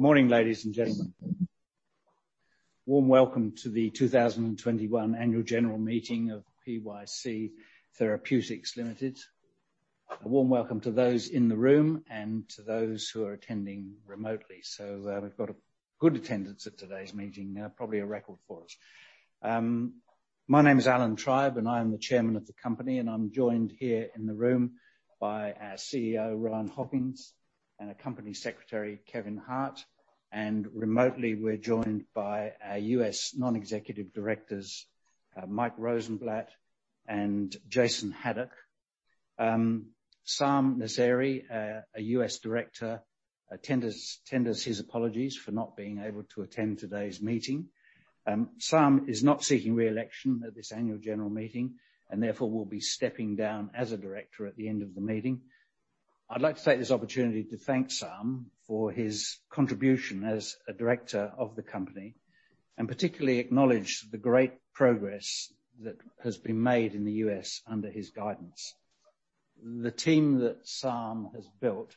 Morning, ladies and gentlemen. Warm welcome to the 2021 annual general meeting of PYC Therapeutics Limited. A warm welcome to those in the room and to those who are attending remotely. We've got a good attendance at today's meeting, probably a record for us. My name is Alan Tribe, and I am the Chairman of the company, and I'm joined here in the room by our CEO, Rohan Hockings, and Company Secretary, Kevin Hart. Remotely, we're joined by our U.S. non-executive directors, Mike Rosenblatt and Jason Haddock. Sam Nasseri, a U.S. director, tenders his apologies for not being able to attend today's meeting. Sam is not seeking re-election at this annual general meeting and therefore will be stepping down as a director at the end of the meeting. I'd like to take this opportunity to thank Sam for his contribution as a director of the company, and particularly acknowledge the great progress that has been made in the U.S. under his guidance. The team that Sam has built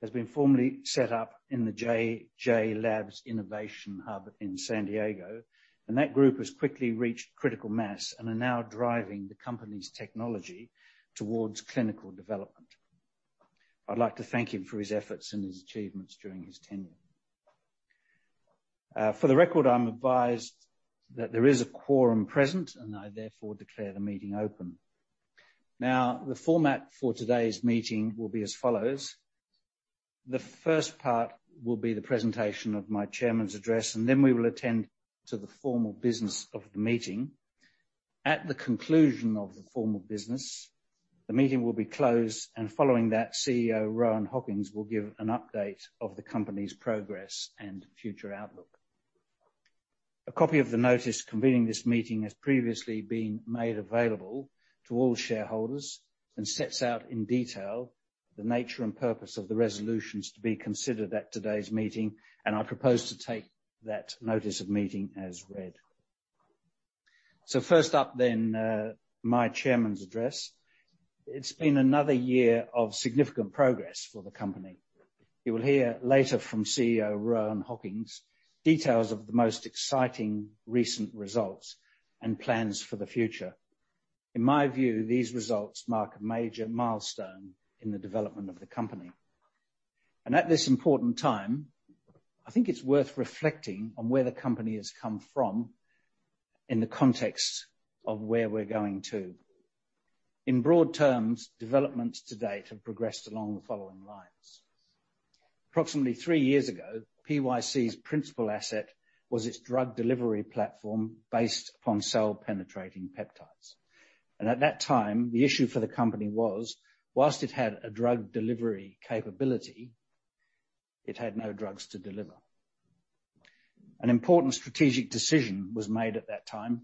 has been formally set up in the JLABS innovation hub in San Diego, and that group has quickly reached critical mass and are now driving the company's technology towards clinical development. I'd like to thank him for his efforts and his achievements during his tenure. For the record, I'm advised that there is a quorum present, and I therefore declare the meeting open. Now, the format for today's meeting will be as follows. The first part will be the presentation of my chairman's address, and then we will attend to the formal business of the meeting. At the conclusion of the formal business, the meeting will be closed, and following that, CEO Rohan Hockings will give an update of the company's progress and future outlook. A copy of the notice convening this meeting has previously been made available to all shareholders and sets out in detail the nature and purpose of the resolutions to be considered at today's meeting. I propose to take that notice of meeting as read. First up then, my chairman's address. It's been another year of significant progress for the company. You will hear later from CEO Rohan Hockings, details of the most exciting recent results and plans for the future. In my view, these results mark a major milestone in the development of the company. At this important time, I think it's worth reflecting on where the company has come from in the context of where we're going to. In broad terms, developments to date have progressed along the following lines. Approximately three years ago, PYC's principal asset was its drug delivery platform based upon cell-penetrating peptides. At that time, the issue for the company was, while it had a drug delivery capability, it had no drugs to deliver. An important strategic decision was made at that time,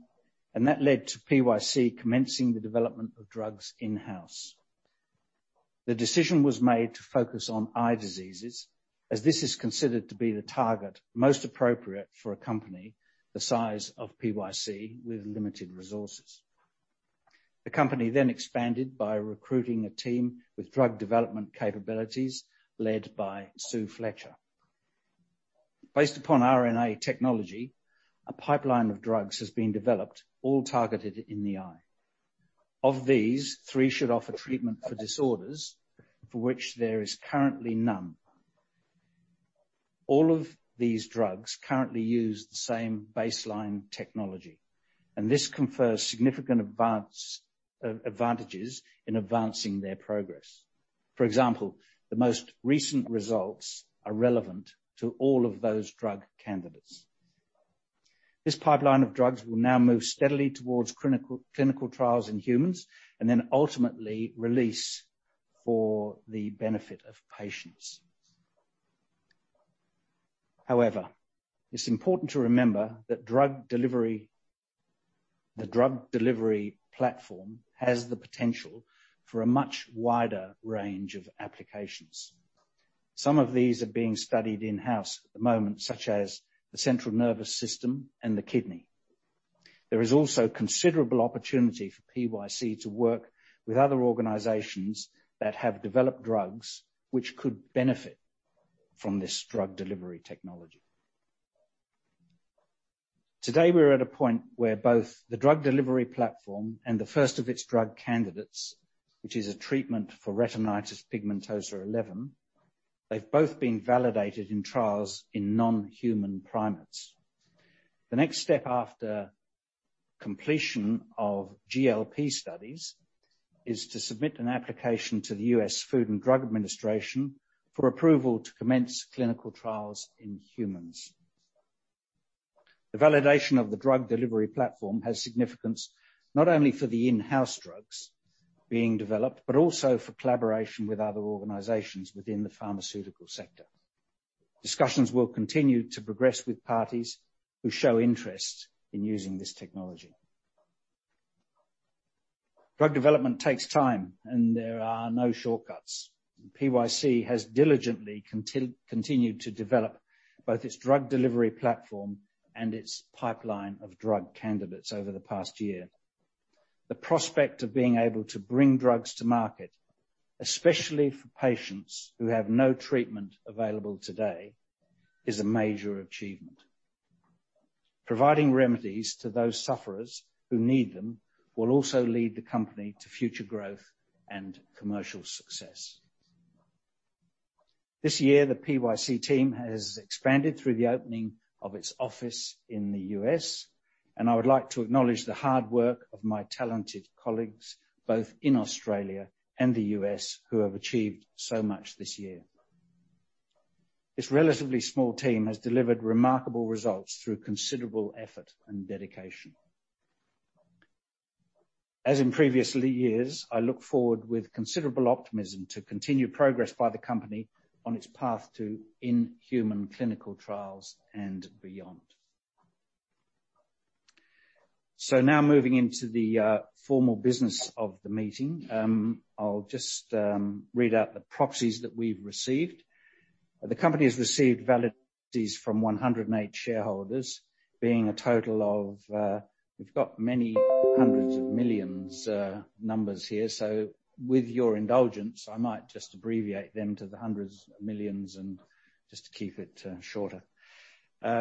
and that led to PYC commencing the development of drugs in-house. The decision was made to focus on eye diseases, as this is considered to be the target most appropriate for a company the size of PYC with limited resources. The company then expanded by recruiting a team with drug development capabilities led by Sue Fletcher. Based upon RNA technology, a pipeline of drugs has been developed, all targeted in the eye. Of these, three should offer treatment for disorders for which there is currently none. All of these drugs currently use the same baseline technology, and this confers significant advance, advantages in advancing their progress. For example, the most recent results are relevant to all of those drug candidates. This pipeline of drugs will now move steadily towards clinical trials in humans and then ultimately release for the benefit of patients. However, it's important to remember that drug delivery, the drug delivery platform has the potential for a much wider range of applications. Some of these are being studied in-house at the moment, such as the central nervous system and the kidney. There is also considerable opportunity for PYC to work with other organizations that have developed drugs which could benefit from this drug delivery technology. Today we're at a point where both the drug delivery platform and the first of its drug candidates, which is a treatment for Retinitis Pigmentosa 11, they've both been validated in trials in non-human primates. The next step after completion of GLP studies is to submit an application to the U.S. Food and Drug Administration for approval to commence clinical trials in humans. The validation of the drug delivery platform has significance not only for the in-house drugs being developed but also for collaboration with other organizations within the pharmaceutical sector. Discussions will continue to progress with parties who show interest in using this technology. Drug development takes time, and there are no shortcuts. PYC has diligently continued to develop both its drug delivery platform and its pipeline of drug candidates over the past year. The prospect of being able to bring drugs to market, especially for patients who have no treatment available today, is a major achievement. Providing remedies to those sufferers who need them will also lead the company to future growth and commercial success. This year, the PYC team has expanded through the opening of its office in the U.S., and I would like to acknowledge the hard work of my talented colleagues, both in Australia and the U.S., who have achieved so much this year. This relatively small team has delivered remarkable results through considerable effort and dedication. As in previous years, I look forward with considerable optimism to continued progress by the company on its path to in-human clinical trials and beyond. Now moving into the formal business of the meeting, I'll just read out the proxies that we've received. The company has received valid proxies from 108 shareholders, being a total of, we've got many hundreds of millions numbers here, so with your indulgence, I might just abbreviate them to the hundreds of millions and just to keep it shorter.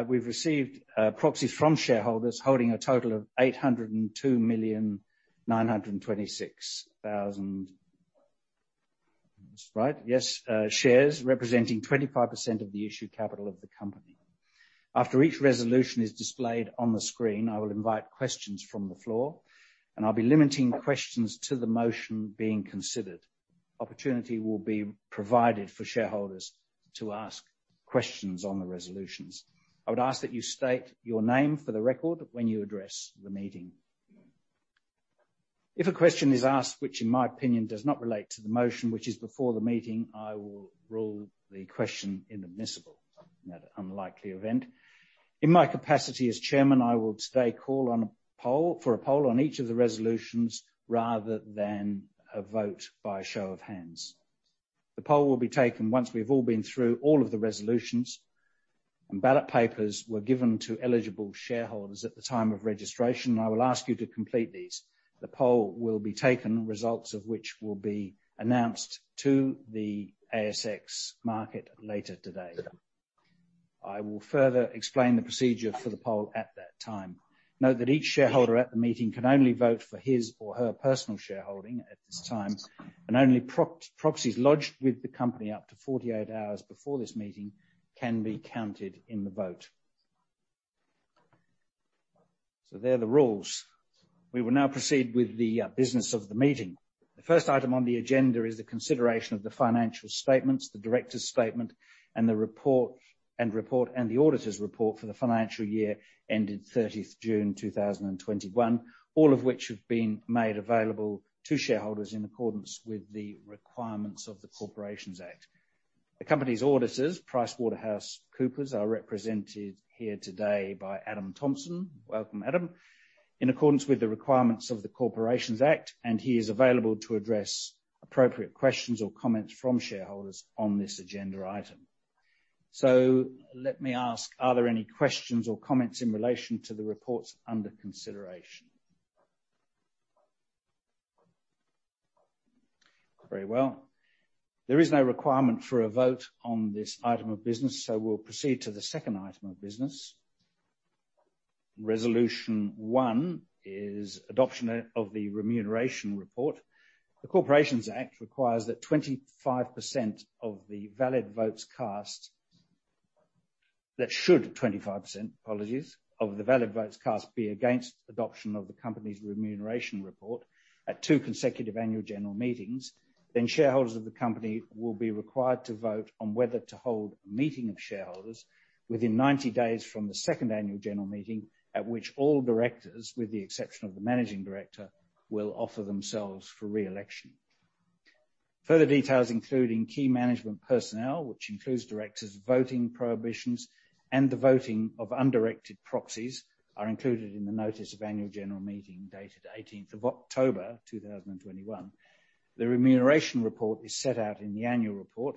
We've received proxies from shareholders holding a total of 802,926,000. That's right. Yes, shares representing 25% of the issued capital of the company. After each resolution is displayed on the screen, I will invite questions from the floor, and I'll be limiting questions to the motion being considered. Opportunity will be provided for shareholders to ask questions on the resolutions. I would ask that you state your name for the record when you address the meeting. If a question is asked, which in my opinion does not relate to the motion which is before the meeting, I will rule the question inadmissible, in that unlikely event. In my capacity as chairman, I will today call on a poll, for a poll on each of the resolutions rather than a vote by show of hands. The poll will be taken once we've all been through all of the resolutions, and ballot papers were given to eligible shareholders at the time of registration. I will ask you to complete these. The poll will be taken, results of which will be announced to the ASX market later today. I will further explain the procedure for the poll at that time. Note that each shareholder at the meeting can only vote for his or her personal shareholding at this time, and only proxies lodged with the company up to 48 hours before this meeting can be counted in the vote. They're the rules. We will now proceed with the business of the meeting. The first item on the agenda is the consideration of the financial statements, the directors' statement, the report, and the auditor's report for the financial year ending thirtieth June, two thousand and twenty-one, all of which have been made available to shareholders in accordance with the requirements of the Corporations Act. The company's auditors, PricewaterhouseCoopers, are represented here today by Adam Thompson. Welcome, Adam. In accordance with the requirements of the Corporations Act, he is available to address appropriate questions or comments from shareholders on this agenda item. Let me ask, are there any questions or comments in relation to the reports under consideration? Very well. There is no requirement for a vote on this item of business, so we'll proceed to the second item of business. Resolution one is adoption of the remuneration report. The Corporations Act requires that 25% of the valid votes cast be against adoption of the company's remuneration report at two consecutive annual general meetings, then shareholders of the company will be required to vote on whether to hold a meeting of shareholders within 90 days from the second annual general meeting, at which all directors, with the exception of the managing director, will offer themselves for re-election. Further details, including key management personnel, which includes directors' voting prohibitions and the voting of undirected proxies, are included in the notice of annual general meeting dated 18th of October, 2021. The remuneration report is set out in the annual report.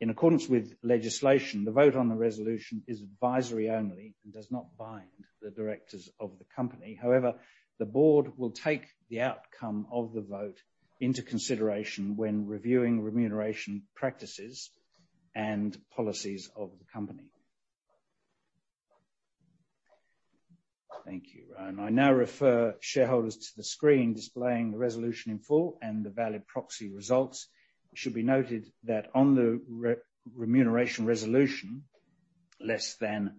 In accordance with legislation, the vote on the resolution is advisory only and does not bind the directors of the company. However, the board will take the outcome of the vote into consideration when reviewing remuneration practices and policies of the company. Thank you. I now refer shareholders to the screen displaying the resolution in full and the valid proxy results. It should be noted that on the remuneration resolution, less than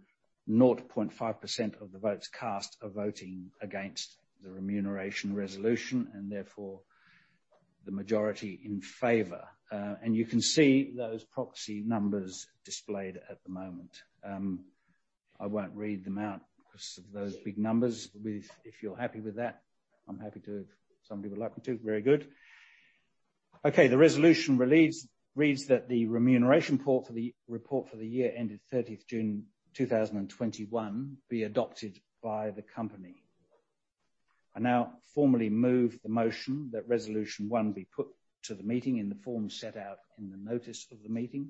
0.5% of the votes cast are voting against the remuneration resolution, and therefore the majority in favor. You can see those proxy numbers displayed at the moment. I won't read them out because of those big numbers. If you're happy with that, I'm happy to if some people would like me to. Very good. Okay. The resolution reads that the remuneration report for the year ended 30th June 2021 be adopted by the company. I now formally move the motion that resolution one be put to the meeting in the form set out in the notice of the meeting.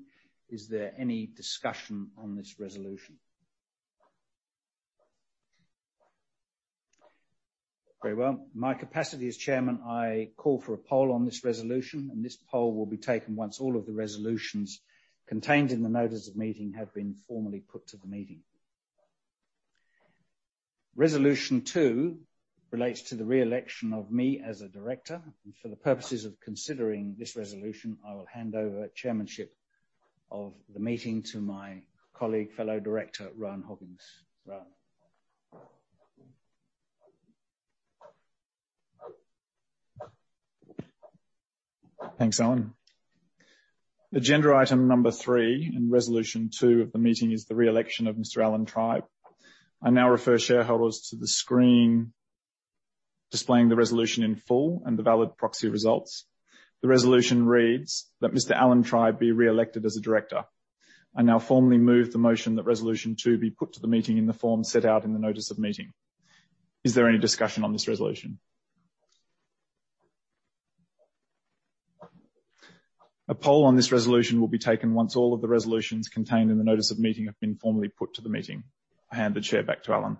Is there any discussion on this resolution? Very well. In my capacity as Chairman, I call for a poll on this resolution, and this poll will be taken once all of the resolutions contained in the notice of meeting have been formally put to the meeting. Resolution two relates to the re-election of me as a director. For the purposes of considering this resolution, I will hand over chairmanship of the meeting to my colleague, fellow director, Rohan Hockings. Rohan. Thanks, Alan. Agenda item number three and Resolution two of the meeting is the re-election of Mr. Alan Tribe. I now refer shareholders to the screen displaying the resolution in full and the valid proxy results. The resolution reads that Mr. Alan Tribe be re-elected as a director. I now formally move the motion that Resolution two be put to the meeting in the form set out in the notice of meeting. Is there any discussion on this resolution? A poll on this resolution will be taken once all of the resolutions contained in the notice of meeting have been formally put to the meeting. I hand the chair back to Alan.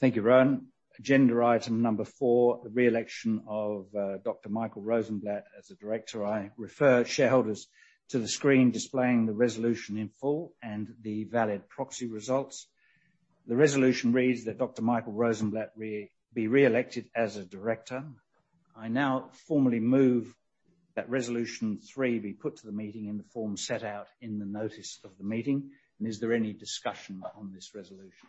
Thank you, Rohan. Agenda item number four, the re-election of Dr. Michael Rosenblatt as a director. I refer shareholders to the screen displaying the resolution in full and the valid proxy results. The resolution reads that Dr. Michael Rosenblatt be re-elected as a director. I now formally move that Resolution th be put to the meeting in the form set out in the notice of the meeting. Is there any discussion on this resolution?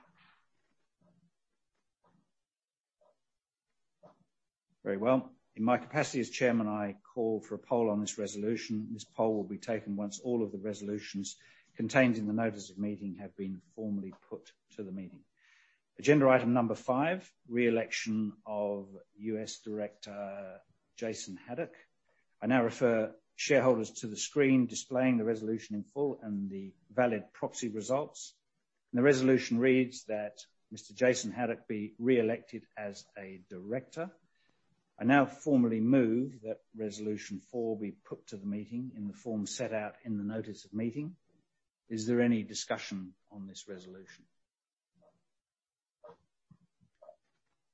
Very well. In my capacity as chairman, I call for a poll on this resolution. This poll will be taken once all of the resolutions contained in the notice of meeting have been formally put to the meeting. Agenda item number five, re-election of U.S. director Jason Haddock. I now refer shareholders to the screen displaying the resolution in full and the valid proxy results. The resolution reads that Mr. Jason Haddock be re-elected as a director. I now formally move that resolution four be put to the meeting in the form set out in the notice of meeting. Is there any discussion on this resolution?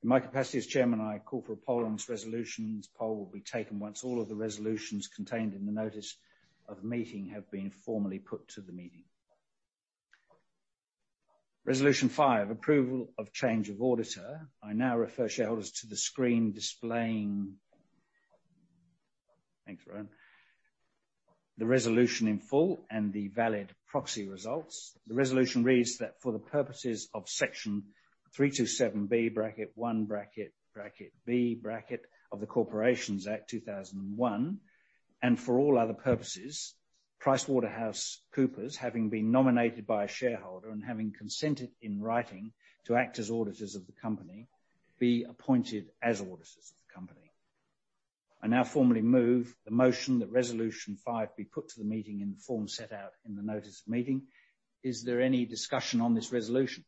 In my capacity as chairman, I call for a poll on this resolution. This poll will be taken once all of the resolutions contained in the notice of meeting have been formally put to the meeting. Resolution five, approval of change of auditor. I now refer shareholders to the screen displaying. Thanks, Rohan. The resolution in full and the valid proxy results. The resolution reads that for the purposes of Section 327B (1)(b) of the Corporations Act 2001, and for all other purposes, PricewaterhouseCoopers, having been nominated by a shareholder and having consented in writing to act as auditors of the company, be appointed as auditors of the company. I now formally move the motion that Resolution five be put to the meeting in the form set out in the notice of meeting. Is there any discussion on this resolution?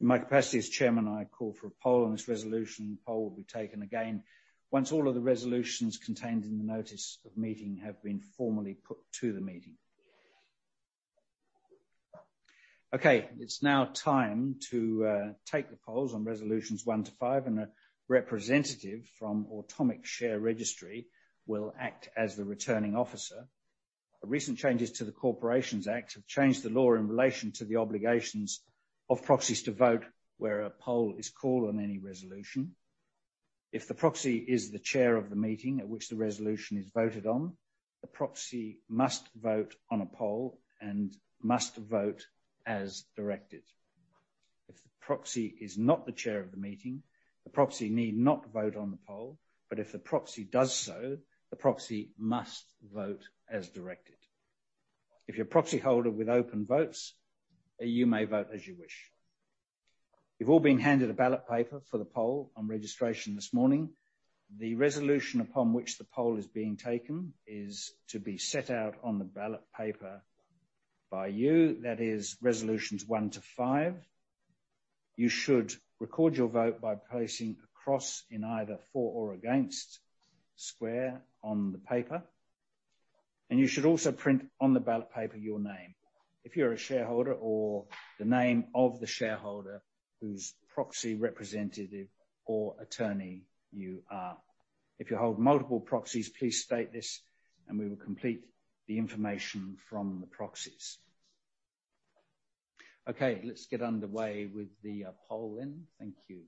In my capacity as chairman, I call for a poll on this resolution. The poll will be taken again once all of the resolutions contained in the notice of meeting have been formally put to the meeting. Okay, it's now time to take the polls on Resolutions one-five, and a representative from Automic Share Registry will act as the returning officer. Recent changes to the Corporations Act have changed the law in relation to the obligations of proxies to vote where a poll is called on any resolution. If the proxy is the chair of the meeting at which the resolution is voted on, the proxy must vote on a poll and must vote as directed. If the proxy is not the chair of the meeting, the proxy need not vote on the poll, but if the proxy does so, the proxy must vote as directed. If you're a proxyholder with open votes, you may vote as you wish. You've all been handed a ballot paper for the poll on registration this morning. The resolution upon which the poll is being taken is to be set out on the ballot paper by you. That is resolutions one-five. You should record your vote by placing a cross in either for or against square on the paper. You should also print on the ballot paper your name if you're a shareholder or the name of the shareholder whose proxy representative or attorney you are. If you hold multiple proxies, please state this, and we will complete the information from the proxies. Okay, let's get underway with the poll then. Thank you.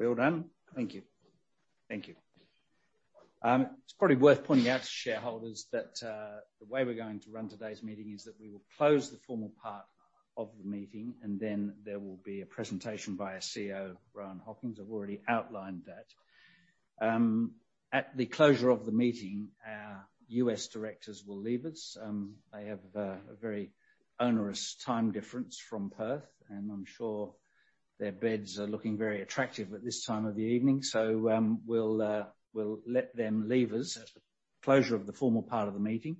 Well done. Thank you. Thank you. It's probably worth pointing out to shareholders that the way we're going to run today's meeting is that we will close the formal part of the meeting, and then there will be a presentation by our CEO, Rohan Hockings. I've already outlined that. At the closure of the meeting, our U.S. directors will leave us. They have a very onerous time difference from Perth, and I'm sure their beds are looking very attractive at this time of the evening. We'll let them leave us at the closure of the formal part of the meeting.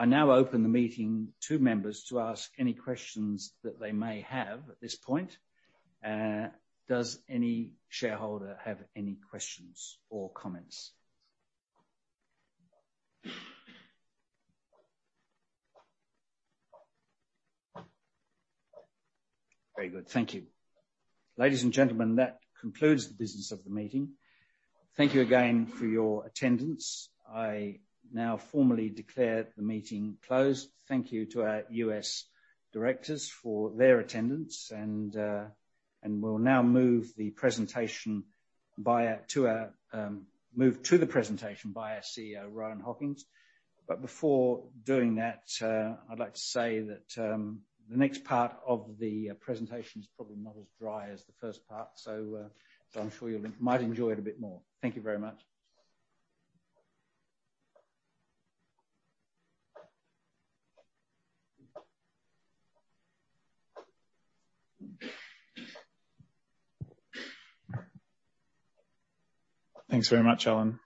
I now open the meeting to members to ask any questions that they may have at this point. Does any shareholder have any questions or comments? Very good. Thank you. Ladies and gentlemen, that concludes the business of the meeting. Thank you again for your attendance. I now formally declare the meeting closed. Thank you to our U.S. directors for their attendance, and we'll now move the presentation by a... to move to the presentation by our CEO, Rohan Hockings. Before doing that, I'd like to say that the next part of the presentation is probably not as dry as the first part, so I'm sure you'll enjoy it a bit more. Thank you very much. Thanks very much, Alan.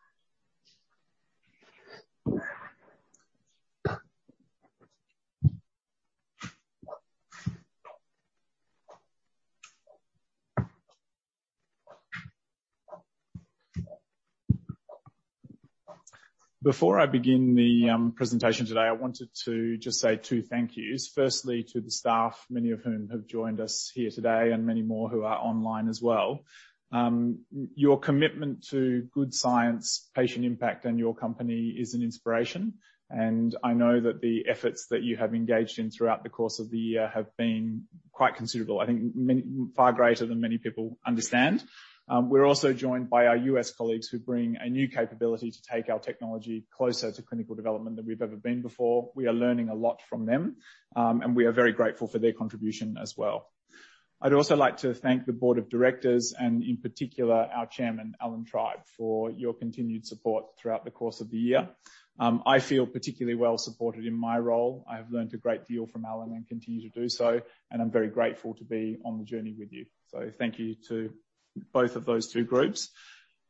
Before I begin the presentation today, I wanted to just say two thank yous. Firstly, to the staff, many of whom have joined us here today, and many more who are online as well. Your commitment to good science, patient impact, and your company is an inspiration, and I know that the efforts that you have engaged in throughout the course of the year have been quite considerable. I think far greater than many people understand. We're also joined by our U.S. colleagues who bring a new capability to take our technology closer to clinical development than we've ever been before. We are learning a lot from them, and we are very grateful for their contribution as well. I'd also like to thank the board of directors and in particular, our Chairman, Alan Tribe, for your continued support throughout the course of the year. I feel particularly well supported in my role. I have learned a great deal from Alan and continue to do so, and I'm very grateful to be on the journey with you. Thank you to both of those two groups.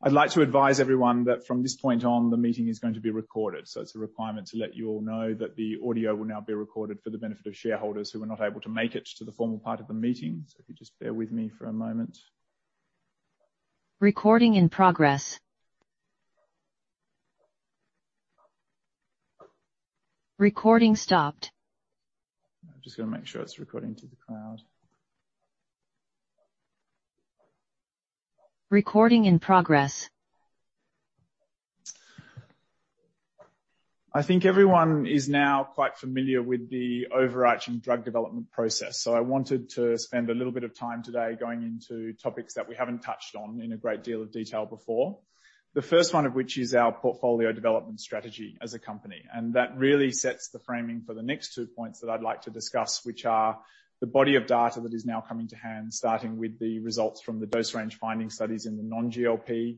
I'd like to advise everyone that from this point on, the meeting is going to be recorded, so it's a requirement to let you all know that the audio will now be recorded for the benefit of shareholders who were not able to make it to the formal part of the meeting. If you just bear with me for a moment. Recording in progress. Recording stopped. I'm just gonna make sure it's recording to the cloud. Recording in progress. I think everyone is now quite familiar with the overarching drug development process. I wanted to spend a little bit of time today going into topics that we haven't touched on in a great deal of detail before. The first one of which is our portfolio development strategy as a company, and that really sets the framing for the next two points that I'd like to discuss, which are the body of data that is now coming to hand, starting with the results from the dose-range finding studies in the non-GLP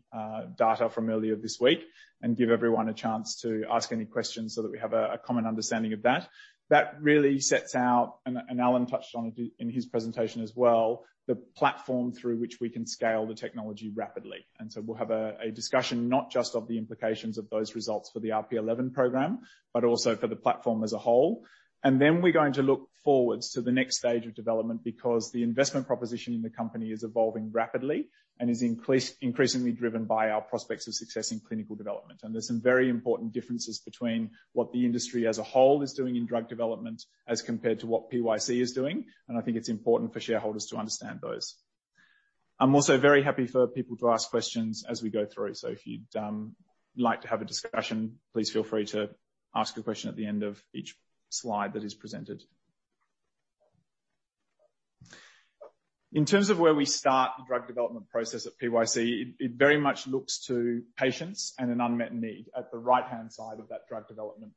data from earlier this week, and give everyone a chance to ask any questions so that we have a common understanding of that. That really sets out, and Alan touched on it in his presentation as well, the platform through which we can scale the technology rapidly. We'll have a discussion not just of the implications of those results for the RP11 program, but also for the platform as a whole. We're going to look forward to the next stage of development because the investment proposition in the company is evolving rapidly and is increasingly driven by our prospects of success in clinical development. There's some very important differences between what the industry as a whole is doing in drug development as compared to what PYC is doing, and I think it's important for shareholders to understand those. I'm also very happy for people to ask questions as we go through. If you'd like to have a discussion, please feel free to ask a question at the end of each slide that is presented. In terms of where we start the drug development process at PYC, it very much looks to patients and an unmet need. At the right-hand side of that drug development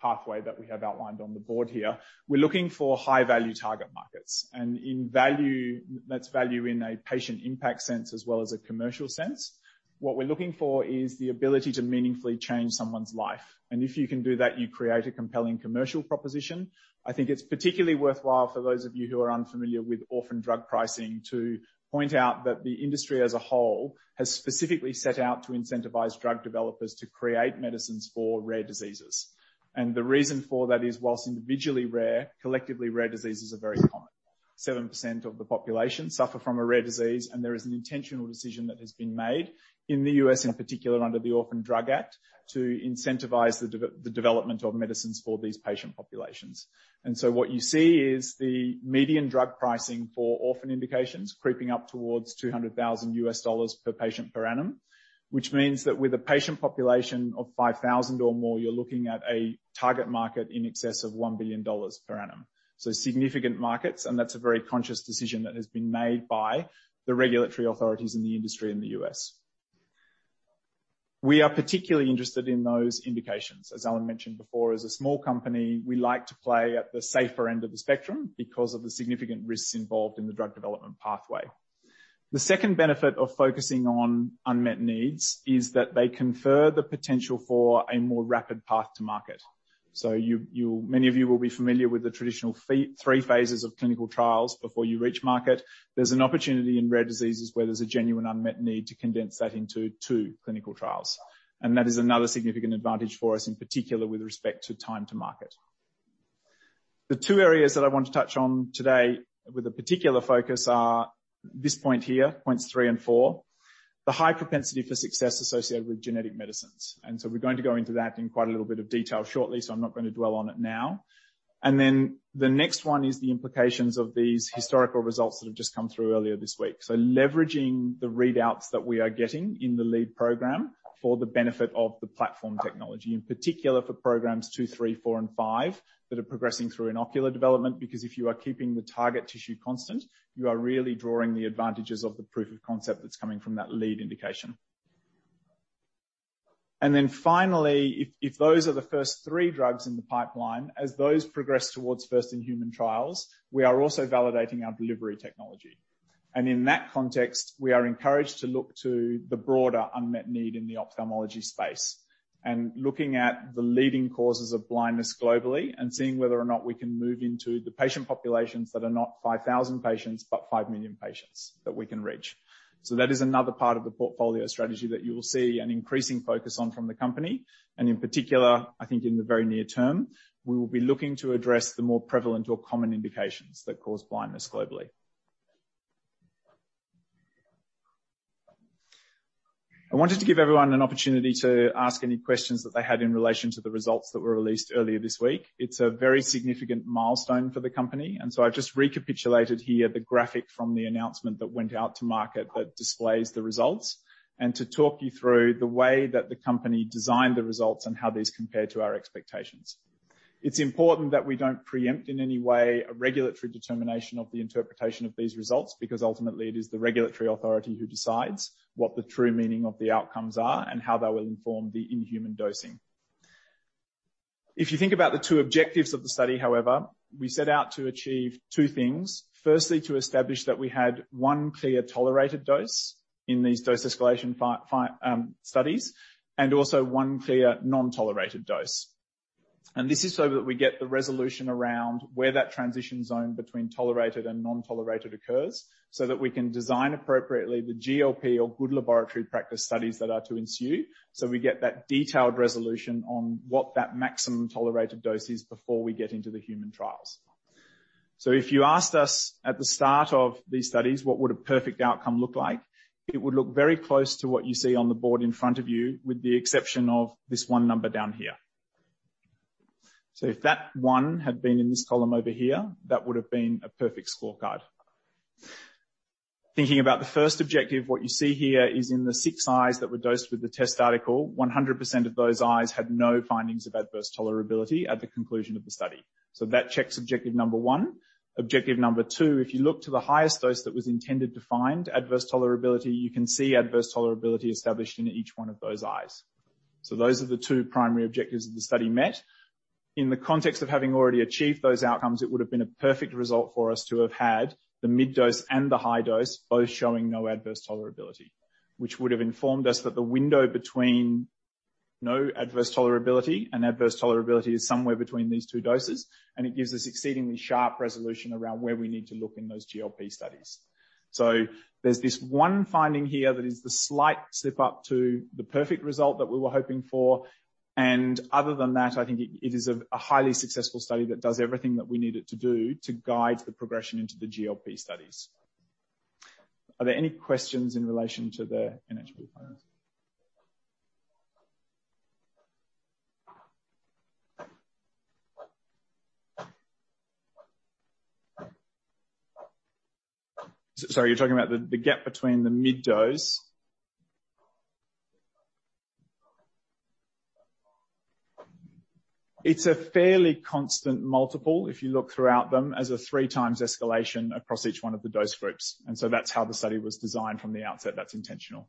pathway that we have outlined on the board here. We're looking for high-value target markets. In value, that's value in a patient impact sense as well as a commercial sense. What we're looking for is the ability to meaningfully change someone's life. If you can do that, you create a compelling commercial proposition. I think it's particularly worthwhile for those of you who are unfamiliar with Orphan Drug Pricing to point out that the industry as a whole has specifically set out to incentivize drug developers to create medicines for rare diseases. The reason for that is, while individually rare, collectively rare diseases are very common. 7% of the population suffer from a rare disease, and there is an intentional decision that has been made in the U.S., in particular under the Orphan Drug Act, to incentivize the development of medicines for these patient populations. What you see is the median drug pricing for orphan indications creeping up towards $200,000 per patient per annum, which means that with a patient population of 5,000 or more, you're looking at a target market in excess of $1 billion per annum. Significant markets, and that's a very conscious decision that has been made by the regulatory authorities in the industry in the U.S. We are particularly interested in those indications. As Alan mentioned before, as a small company, we like to play at the safer end of the spectrum because of the significant risks involved in the drug development pathway. The second benefit of focusing on unmet needs is that they confer the potential for a more rapid path to market. Many of you will be familiar with the traditional three phases of clinical trials before you reach market. There's an opportunity in rare diseases where there's a genuine unmet need to condense that into two clinical trials. That is another significant advantage for us, in particular with respect to time to market. The two areas that I want to touch on today with a particular focus are this point here, points three and four, the high propensity for success associated with genetic medicines. We're going to go into that in quite a little bit of detail shortly, so I'm not going to dwell on it now. The next one is the implications of these historical results that have just come through earlier this week, leveraging the readouts that we are getting in the lead program for the benefit of the platform technology, in particular for programs two, three, four, and five that are progressing through an ocular development, if you are keeping the target tissue constant, you are really drawing the advantages of the proof of concept that's coming from that lead indication. Finally, if those are the first three drugs in the pipeline, as those progress towards first in human trials, we are also validating our delivery technology. In that context, we are encouraged to look to the broader unmet need in the ophthalmology space and looking at the leading causes of blindness globally and seeing whether or not we can move into the patient populations that are not 5,000 patients, but five million patients that we can reach. That is another part of the portfolio strategy that you will see an increasing focus on from the company. In particular, I think in the very near term, we will be looking to address the more prevalent or common indications that cause blindness globally. I wanted to give everyone an opportunity to ask any questions that they had in relation to the results that were released earlier this week. It's a very significant milestone for the company, and so I've just recapitulated here the graphic from the announcement that went out to market that displays the results, and to talk you through the way that the company designed the results and how these compare to our expectations. It's important that we don't preempt in any way a regulatory determination of the interpretation of these results, because ultimately it is the regulatory authority who decides what the true meaning of the outcomes are and how they will inform the in-human dosing. If you think about the two objectives of the study, however, we set out to achieve two things. Firstly, to establish that we had one clear tolerated dose in these dose escalation studies, and also one clear non-tolerated dose. This is so that we get the resolution around where that transition zone between tolerated and non-tolerated occurs, so that we can design appropriately the GLP or Good Laboratory Practice studies that are to ensue. We get that detailed resolution on what that maximum tolerated dose is before we get into the human trials. If you asked us at the start of these studies, what would a perfect outcome look like? It would look very close to what you see on the board in front of you, with the exception of this one number down here. If that one had been in this column over here, that would have been a perfect scorecard. Thinking about the first objective, what you see here is in the six eyes that were dosed with the test article, 100% of those eyes had no findings of adverse tolerability at the conclusion of the study. That checks objective number one. Objective number two, if you look to the highest dose that was intended to find adverse tolerability, you can see adverse tolerability established in each one of those eyes. Those are the two primary objectives of the study met. In the context of having already achieved those outcomes, it would have been a perfect result for us to have had the mid-dose and the high dose both showing no adverse tolerability, which would have informed us that the window between no adverse tolerability and adverse tolerability is somewhere between these two doses, and it gives us exceedingly sharp resolution around where we need to look in those GLP studies. There's this one finding here that is the slight slip-up to the perfect result that we were hoping for. Other than that, I think it is a highly successful study that does everything that we need it to do to guide the progression into the GLP studies. Are there any questions in relation to the NHP findings? Sorry, you're talking about the gap between the mid-dose? It's a fairly constant multiple if you look throughout them as a 3x escalation across each one of the dose groups. That's how the study was designed from the outset. That's intentional.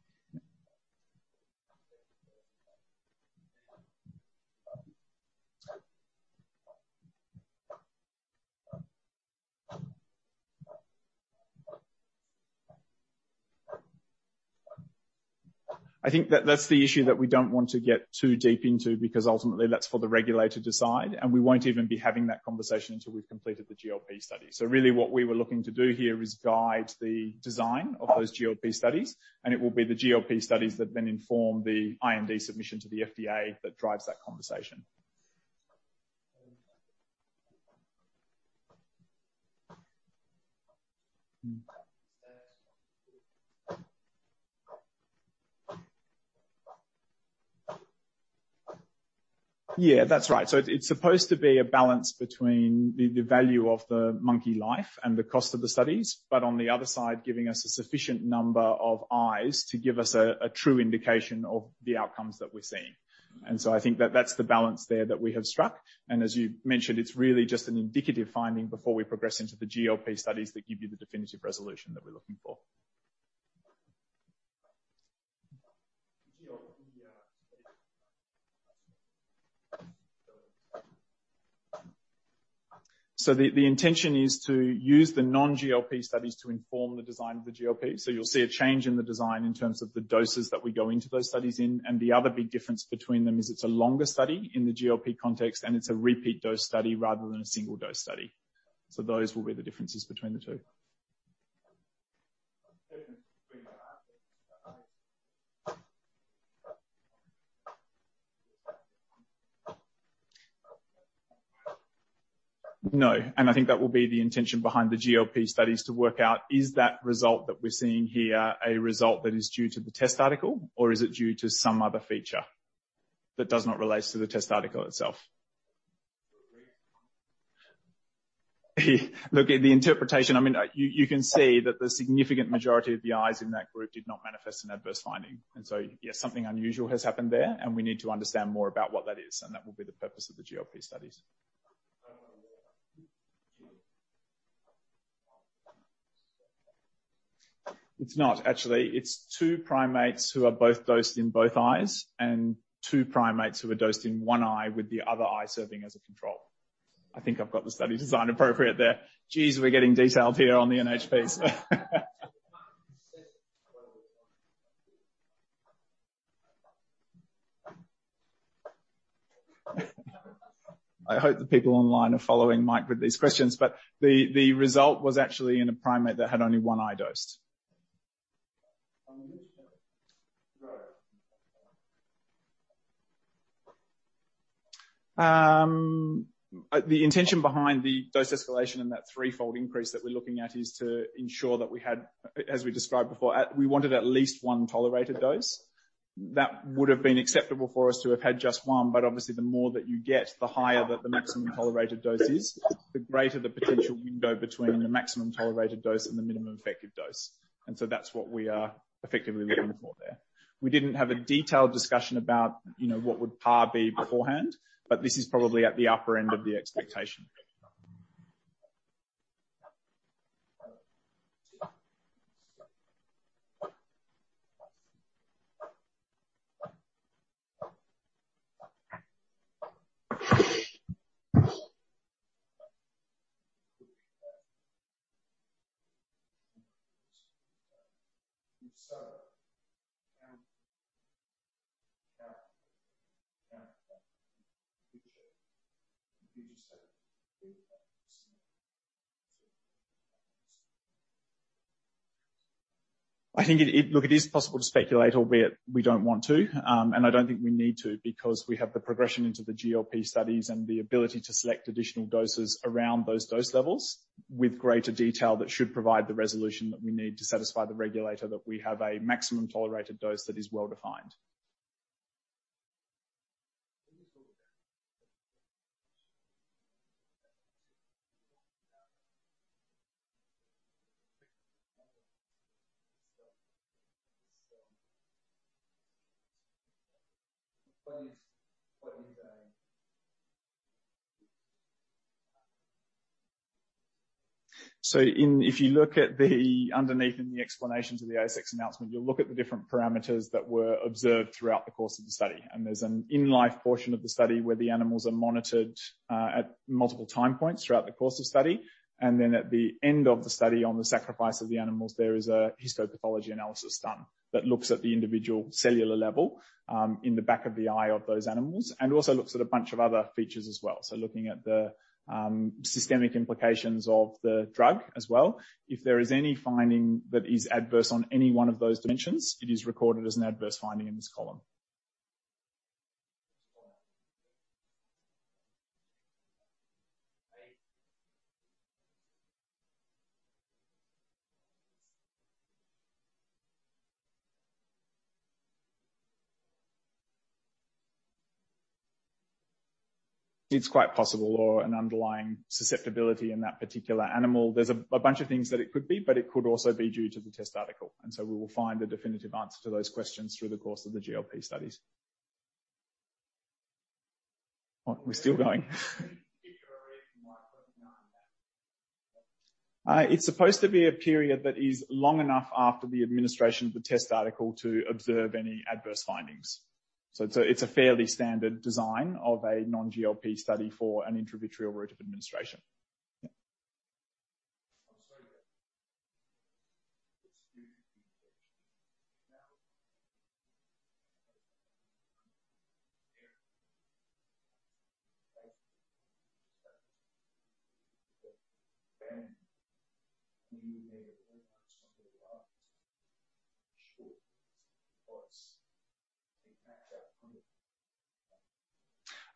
Yeah. I think that's the issue that we don't want to get too deep into because ultimately that's for the regulator to decide, and we won't even be having that conversation until we've completed the GLP study. Really what we were looking to do here is guide the design of those GLP studies, and it will be the GLP studies that then inform the IND submission to the FDA that drives that conversation. Yeah, that's right. It's supposed to be a balance between the value of the monkey life and the cost of the studies. On the other side, giving us a sufficient number of eyes to give us a true indication of the outcomes that we're seeing. I think that that's the balance there that we have struck. As you mentioned, it's really just an indicative finding before we progress into the GLP studies that give you the definitive resolution that we're looking for. The intention is to use the non-GLP studies to inform the design of the GLP. You'll see a change in the design in terms of the doses that we go into those studies in. The other big difference between them is it's a longer study in the GLP context, and it's a repeat dose study rather than a single dose study. Those will be the differences between the two. No. I think that will be the intention behind the GLP studies to work out, is that result that we're seeing here a result that is due to the test article or is it due to some other feature that does not relate to the test article itself? Look, in the interpretation, I mean, you can see that the significant majority of the eyes in that group did not manifest an adverse finding. Yes, something unusual has happened there, and we need to understand more about what that is, and that will be the purpose of the GLP studies. It's not. Actually, it's two primates who are both dosed in both eyes and two primates who are dosed in one eye with the other eye serving as a control. I think I've got the study design appropriate there. Geez, we're getting detailed here on the NHPs. I hope the people online are following Mike with these questions, but the result was actually in a primate that had only one eye dosed. The intention behind the dose escalation and that threefold increase that we're looking at is to ensure that we had, as we described before, we wanted at least one tolerated dose. That would have been acceptable for us to have had just one, but obviously the more that you get, the higher that the maximum tolerated dose is, the greater the potential window between the maximum tolerated dose and the minimum effective dose. That's what we are effectively looking for there. We didn't have a detailed discussion about, you know, what would PAR be beforehand, but this is probably at the upper end of the expectation. I think it. Look, it is possible to speculate, albeit we don't want to, and I don't think we need to because we have the progression into the GLP studies and the ability to select additional doses around those dose levels with greater detail that should provide the resolution that we need to satisfy the regulator that we have a maximum tolerated dose that is well-defined. If you look at the underneath in the explanations of the ASX announcement, you'll look at the different parameters that were observed throughout the course of the study. There's an in-life portion of the study where the animals are monitored at multiple time points throughout the course of study. Then at the end of the study, on the sacrifice of the animals, there is a histopathology analysis done that looks at the individual cellular level in the back of the eye of those animals, and also looks at a bunch of other features as well. Looking at the systemic implications of the drug as well. If there is any finding that is adverse on any one of those dimensions, it is recorded as an adverse finding in this column. It's quite possible or an underlying susceptibility in that particular animal. There's a bunch of things that it could be, but it could also be due to the test article, and so we will find a definitive answer to those questions through the course of the GLP studies. What? We're still going? It's supposed to be a period that is long enough after the administration of the test article to observe any adverse findings. It's a fairly standard design of a non-GLP study for an intravitreal route of administration. Yeah.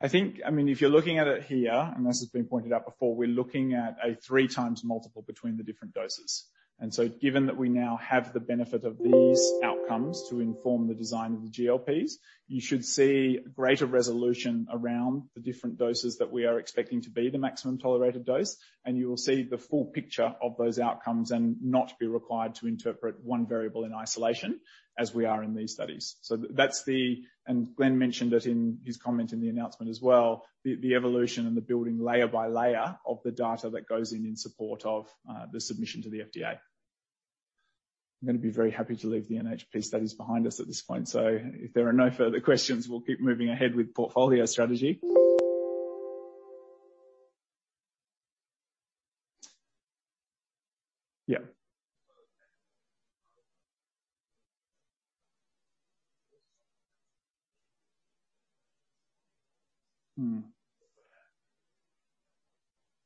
I think, I mean, if you're looking at it here, and this has been pointed out before, we're looking at a three times multiple between the different doses. Given that we now have the benefit of these outcomes to inform the design of the GLPs, you should see greater resolution around the different doses that we are expecting to be the maximum tolerated dose, and you will see the full picture of those outcomes and not be required to interpret one variable in isolation as we are in these studies. That's the. Glenn mentioned it in his comment in the announcement as well, the evolution and the building layer by layer of the data that goes in support of the submission to the FDA. I'm gonna be very happy to leave the NHP studies behind us at this point. If there are no further questions, we'll keep moving ahead with portfolio strategy.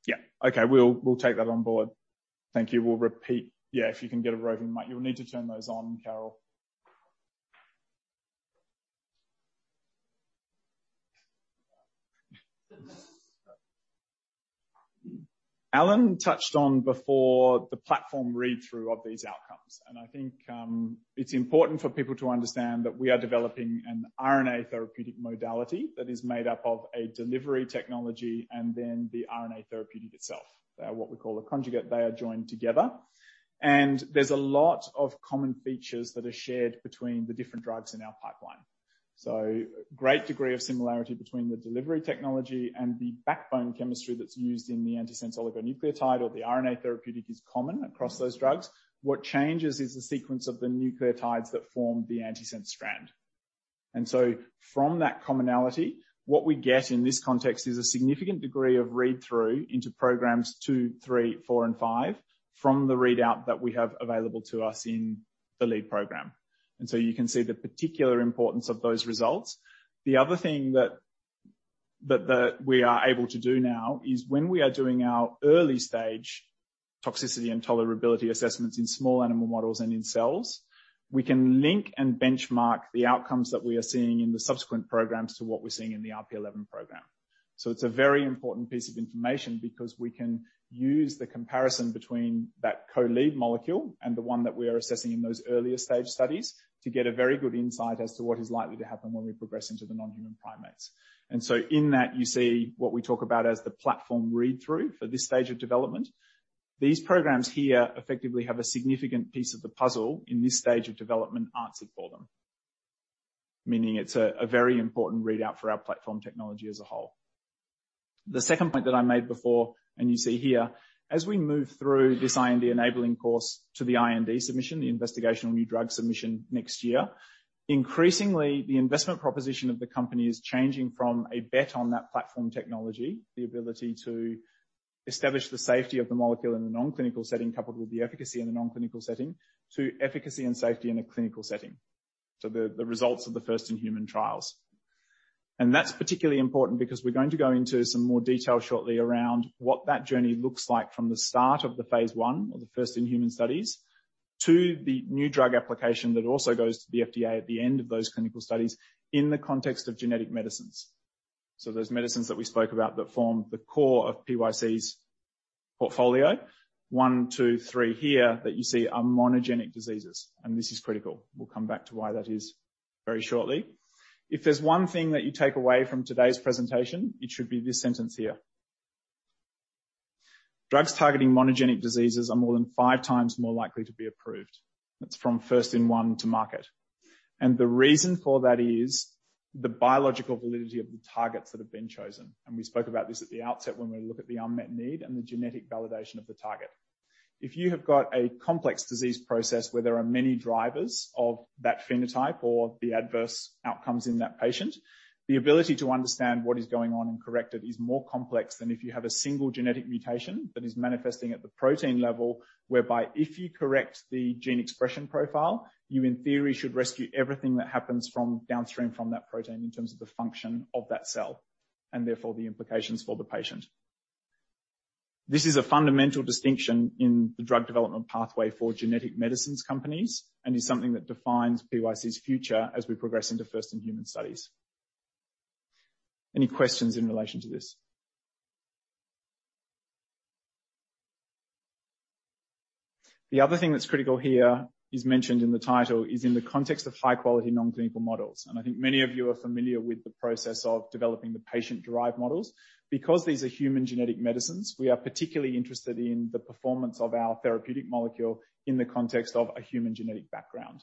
Yeah. Okay. We'll take that on board. Thank you. Yeah, if you can get a roving mic. You'll need to turn those on, Carol. Alan touched on, before the platform read-through of these outcomes, and I think it's important for people to understand that we are developing an RNA therapeutic modality that is made up of a delivery technology and then the RNA therapeutic itself. They are what we call a conjugate. They are joined together. There's a lot of common features that are shared between the different drugs in our pipeline. Great degree of similarity between the delivery technology and the backbone chemistry that's used in the antisense oligonucleotide or the RNA therapeutic is common across those drugs. What changes is the sequence of the nucleotides that form the antisense strand. From that commonality, what we get in this context is a significant degree of read-through into programs two, three, four, and five from the readout that we have available to us in the lead program. You can see the particular importance of those results. The other thing that we are able to do now is when we are doing our early stage toxicity and tolerability assessments in small animal models and in cells, we can link and benchmark the outcomes that we are seeing in the subsequent programs to what we're seeing in the RP11 program. It's a very important piece of information because we can use the comparison between that co-lead molecule and the one that we are assessing in those earlier stage studies to get a very good insight as to what is likely to happen when we progress into the non-human primates. In that, you see what we talk about as the platform read-through for this stage of development. These programs here effectively have a significant piece of the puzzle in this stage of development answered for them, meaning it's a very important readout for our platform technology as a whole. The second point that I made before, and you see here, as we move through this IND-enabling course to the IND submission, the Investigational New Drug submission next year, increasingly the investment proposition of the company is changing from a bet on that platform technology, the ability to establish the safety of the molecule in the non-clinical setting coupled with the efficacy in the non-clinical setting, to efficacy and safety in a clinical setting, so the results of the first in human trials. That's particularly important because we're going to go into some more detail shortly around what that journey looks like from the start of the phase I or the first-in-human studies to the New Drug Application that also goes to the FDA at the end of those clinical studies in the context of genetic medicines. Those medicines that we spoke about that form the core of PYC's portfolio, one, two, three here that you see are monogenic diseases, and this is critical. We'll come back to why that is very shortly. If there's one thing that you take away from today's presentation, it should be this sentence here. Drugs targeting monogenic diseases are more than five times more likely to be approved. That's from first-in-human to market. The reason for that is the biological validity of the targets that have been chosen, and we spoke about this at the outset when we look at the unmet need and the genetic validation of the target. If you have got a complex disease process where there are many drivers of that phenotype or the adverse outcomes in that patient, the ability to understand what is going on and correct it is more complex than if you have a single genetic mutation that is manifesting at the protein level, whereby if you correct the gene expression profile, you in theory should rescue everything that happens from downstream from that protein in terms of the function of that cell, and therefore the implications for the patient. This is a fundamental distinction in the drug development pathway for genetic medicines companies and is something that defines PYC's future as we progress into first in human studies. Any questions in relation to this? The other thing that's critical here, as mentioned in the title, is in the context of high quality non-clinical models, and I think many of you are familiar with the process of developing the patient-derived models. Because these are human genetic medicines, we are particularly interested in the performance of our therapeutic molecule in the context of a human genetic background.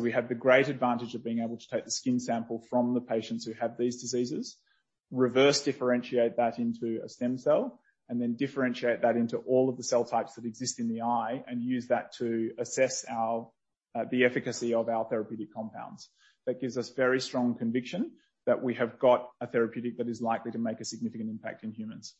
We have the great advantage of being able to take the skin sample from the patients who have these diseases, reverse differentiate that into a stem cell, and then differentiate that into all of the cell types that exist in the eye and use that to assess our the efficacy of our therapeutic compounds. That gives us very strong conviction that we have got a therapeutic that is likely to make a significant impact in humans.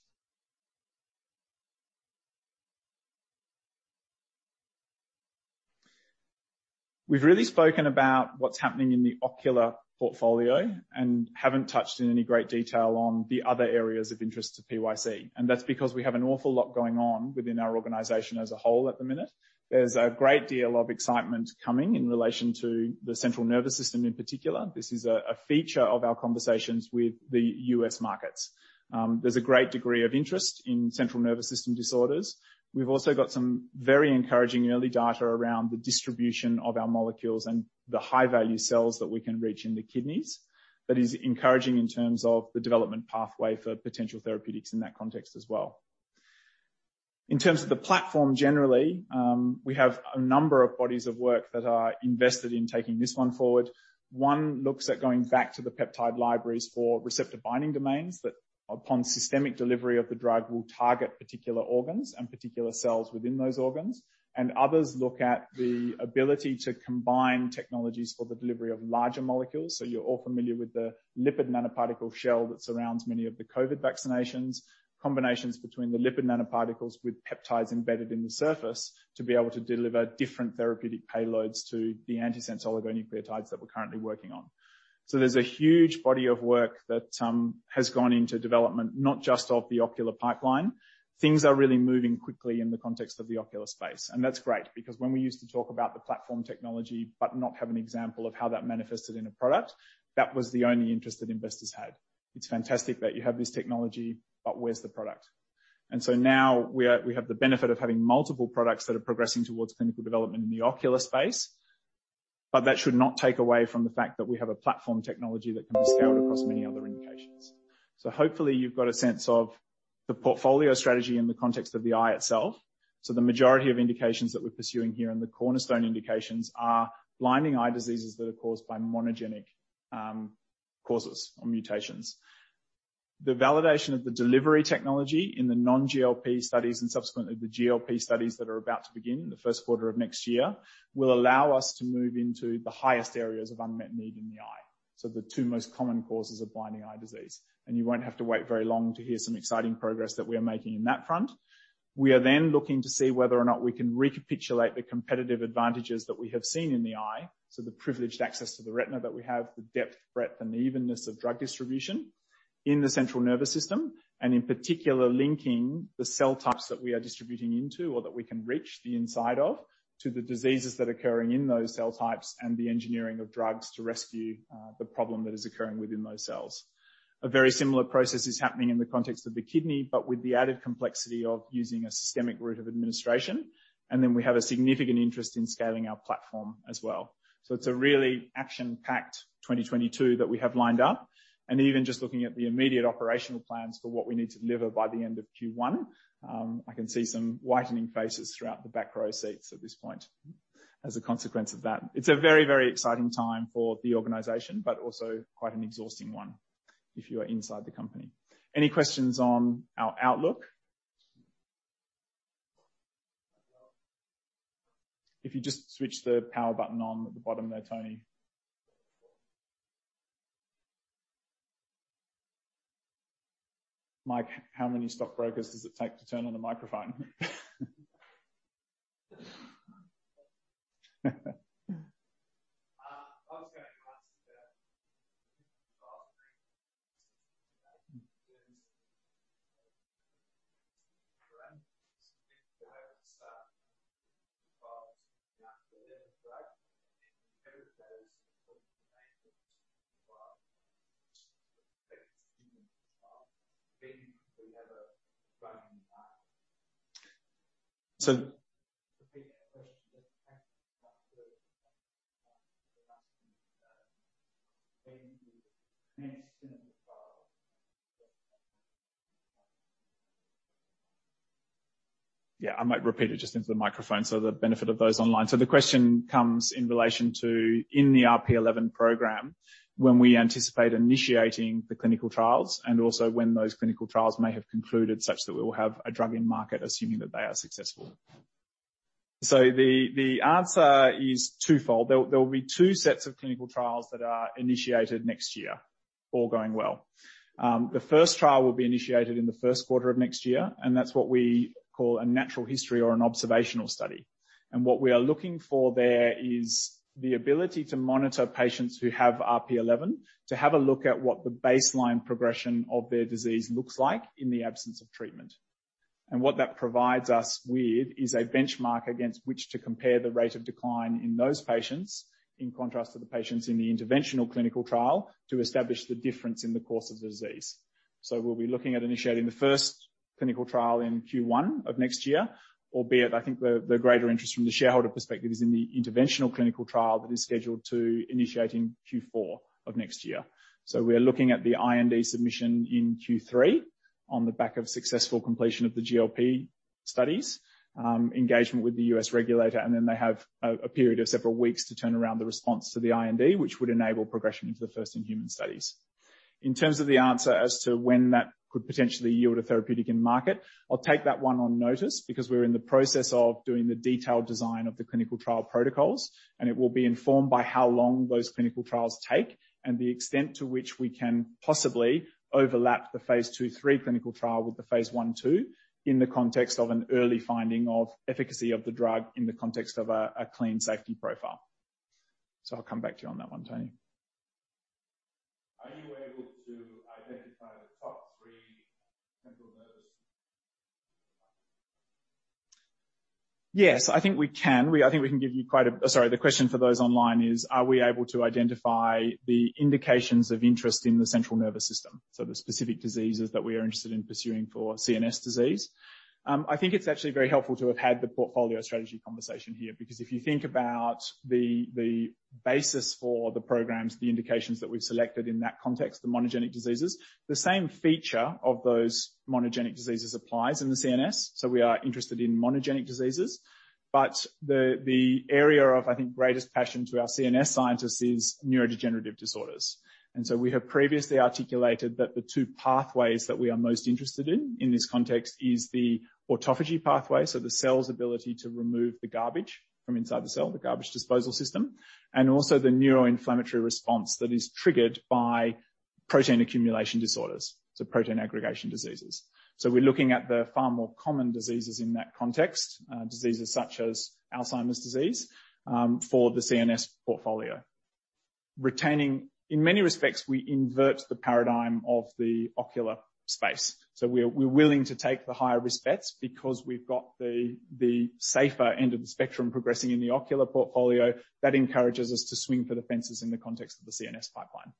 We've really spoken about what's happening in the ocular portfolio and haven't touched in any great detail on the other areas of interest to PYC, and that's because we have an awful lot going on within our organization as a whole at the minute. There's a great deal of excitement coming in relation to the central nervous system in particular. This is a feature of our conversations with the U.S. markets. There's a great degree of interest in central nervous system disorders. We've also got some very encouraging early data around the distribution of our molecules and the high-value cells that we can reach in the kidneys. That is encouraging in terms of the development pathway for potential therapeutics in that context as well. In terms of the platform, generally, we have a number of bodies of work that are invested in taking this one forward. One looks at going back to the peptide libraries for receptor binding domains that upon systemic delivery of the drug will target particular organs and particular cells within those organs. Others look at the ability to combine technologies for the delivery of larger molecules, so you're all familiar with the lipid nanoparticle shell that surrounds many of the COVID vaccinations. Combinations between the lipid nanoparticles with peptides embedded in the surface to be able to deliver different therapeutic payloads to the antisense oligonucleotides that we're currently working on. There's a huge body of work that has gone into development, not just of the ocular pipeline. Things are really moving quickly in the context of the ocular space, and that's great because when we used to talk about the platform technology but not have an example of how that manifested in a product, that was the only interest that investors had. It's fantastic that you have this technology, but where's the product? We have the benefit of having multiple products that are progressing towards clinical development in the ocular space. That should not take away from the fact that we have a platform technology that can be scaled across many other indications. Hopefully, you've got a sense of the portfolio strategy in the context of the eye itself. The majority of indications that we're pursuing here and the cornerstone indications are blinding eye diseases that are caused by monogenic causes or mutations. The validation of the delivery technology in the non-GLP studies and subsequently the GLP studies that are about to begin in the first quarter of next year will allow us to move into the highest areas of unmet need in the eye, so the two most common causes of blinding eye disease. You won't have to wait very long to hear some exciting progress that we are making on that front. We are then looking to see whether or not we can recapitulate the competitive advantages that we have seen in the eye, so the privileged access to the retina that we have, the depth, breadth, and evenness of drug distribution in the central nervous system, and in particular, linking the cell types that we are distributing into or that we can reach the inside of to the diseases that are occurring in those cell types and the engineering of drugs to rescue the problem that is occurring within those cells. A very similar process is happening in the context of the kidney, but with the added complexity of using a systemic route of administration. We have a significant interest in scaling our platform as well. It's a really action-packed 2022 that we have lined up. Even just looking at the immediate operational plans for what we need to deliver by the end of Q1, I can see some whitening faces throughout the back row seats at this point as a consequence of that. It's a very, very exciting time for the organization, but also quite an exhausting one if you are inside the company. Any questions on our outlook? If you just switch the power button on at the bottom there, Tony. Mike, how many stockbrokers does it take to turn on a microphone? I was gonna ask about the last three years. Mm-hmm. If you have the RP11 drug, and if those clinical trials take 2 years, when do you ever run that? So- To repeat the question, just in case some of us are asking, when do you commence clinical trials? Yeah, I might repeat it just into the microphone, so the benefit of those online. The question comes in relation to the RP11 program, when we anticipate initiating the clinical trials and also when those clinical trials may have concluded such that we will have a drug in market, assuming that they are successful. The answer is twofold. There will be two sets of clinical trials that are initiated next year, all going well. The first trial will be initiated in the first quarter of next year, and that's what we call a natural history or an observational study. What we are looking for there is the ability to monitor patients who have RP11 to have a look at what the baseline progression of their disease looks like in the absence of treatment. What that provides us with is a benchmark against which to compare the rate of decline in those patients in contrast to the patients in the interventional clinical trial to establish the difference in the course of the disease. We'll be looking at initiating the first clinical trial in Q1 of next year, albeit I think the greater interest from the shareholder perspective is in the interventional clinical trial that is scheduled to initiate in Q4 of next year. We are looking at the IND submission in Q3 on the back of successful completion of the GLP studies, engagement with the US regulator, and then they have a period of several weeks to turn around the response to the IND, which would enable progression into the first in-human studies. In terms of the answer as to when that could potentially yield a therapeutic end market, I'll take that one on notice because we're in the process of doing the detailed design of the clinical trial protocols, and it will be informed by how long those clinical trials take and the extent to which we can possibly overlap the phase II/III clinical trial with the phase I/II in the context of an early finding of efficacy of the drug in the context of a clean safety profile. I'll come back to you on that one, Tony. Are you able to identify the top three central nervous system? Yes, I think we can. Sorry, the question for those online is: Are we able to identify the indications of interest in the central nervous system, so the specific diseases that we are interested in pursuing for CNS disease? I think it's actually very helpful to have had the portfolio strategy conversation here, because if you think about the basis for the programs, the indications that we've selected in that context, the monogenic diseases, the same feature of those monogenic diseases applies in the CNS. We are interested in monogenic diseases, but the area of, I think, greatest passion to our CNS scientists is neurodegenerative disorders. We have previously articulated that the two pathways that we are most interested in this context, is the autophagy pathway, so the cell's ability to remove the garbage from inside the cell, the garbage disposal system, and also the neuroinflammatory response that is triggered by protein accumulation disorders, so protein aggregation diseases. We're looking at the far more common diseases in that context, diseases such as Alzheimer's disease, for the CNS portfolio. In many respects, we invert the paradigm of the ocular space. We're willing to take the higher-risk bets because we've got the safer end of the spectrum progressing in the ocular portfolio. That encourages us to swing for the fences in the context of the CNS pipeline.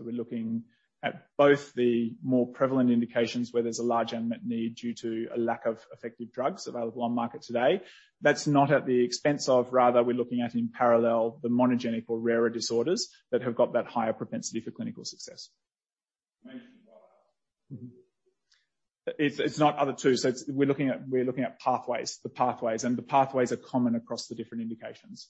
We're looking at both the more prevalent indications where there's a large unmet need due to a lack of effective drugs available on market today. That's not at the expense of rather we're looking at in parallel the monogenic or rarer disorders that have got that higher propensity for clinical success. Mm-hmm. It's not other two. We're looking at pathways. The pathways are common across the different indications.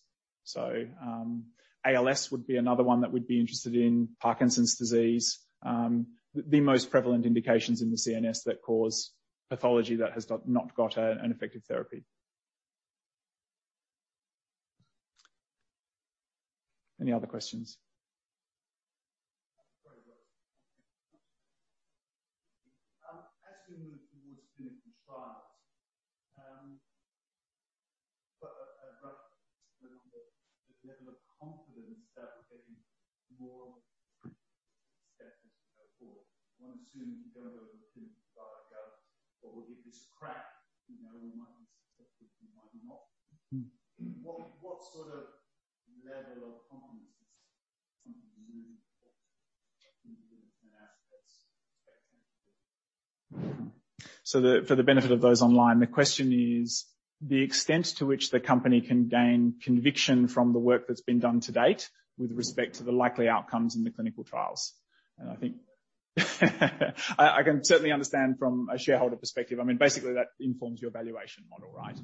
ALS would be another one that we'd be interested in, Parkinson's disease, the most prevalent indications in the CNS that cause pathology that has not got an effective therapy. Any other questions? Very well. As we move towards clinical trials, but a rough number, the level of confidence that we're getting more steps as we go forward. One assumes you don't go to the clinical trial and go, "Well, we'll give this a crack. You know, we might be successful. We might be not. Mm-hmm. What sort of level of confidence is something you? For the benefit of those online, the question is the extent to which the company can gain conviction from the work that's been done to date with respect to the likely outcomes in the clinical trials. I think I can certainly understand from a shareholder perspective. I mean, basically, that informs your valuation model, right?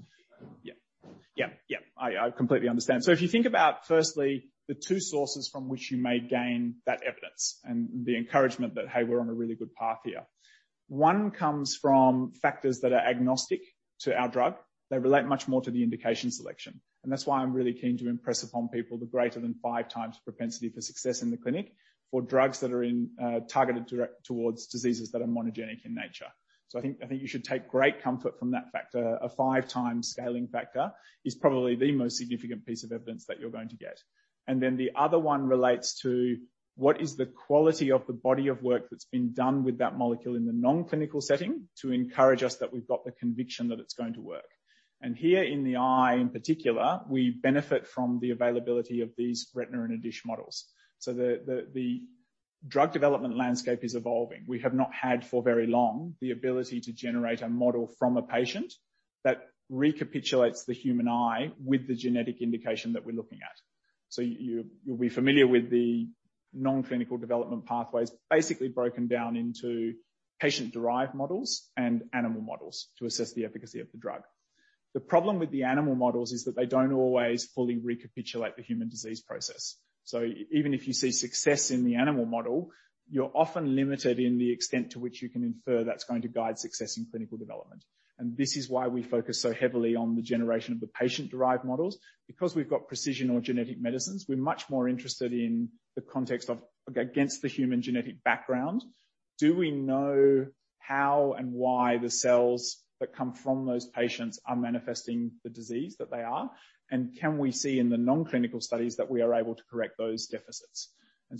Yeah. Yeah. I completely understand. If you think about, firstly, the two sources from which you may gain that evidence and the encouragement that, hey, we're on a really good path here. One comes from factors that are agnostic to our drug. They relate much more to the indication selection, and that's why I'm really keen to impress upon people the greater than 5x propensity for success in the clinic for drugs that are in, targeted directly towards diseases that are monogenic in nature. I think you should take great comfort from that factor. A 5x scaling factor is probably the most significant piece of evidence that you're going to get. Then the other one relates to what is the quality of the body of work that's been done with that molecule in the non-clinical setting to encourage us that we've got the conviction that it's going to work. Here in the eye, in particular, we benefit from the availability of these retina-in-a-dish models. The drug development landscape is evolving. We have not had for very long the ability to generate a model from a patient that recapitulates the human eye with the genetic indication that we're looking at. You, you'll be familiar with the non-clinical development pathways, basically broken down into patient-derived models and animal models to assess the efficacy of the drug. The problem with the animal models is that they don't always fully recapitulate the human disease process. Even if you see success in the animal model, you're often limited in the extent to which you can infer that's going to guide success in clinical development. This is why we focus so heavily on the generation of the patient-derived models. Because we've got precision or genetic medicines, we're much more interested in the context of, against the human genetic background, do we know how and why the cells that come from those patients are manifesting the disease that they are? Can we see in the non-clinical studies that we are able to correct those deficits?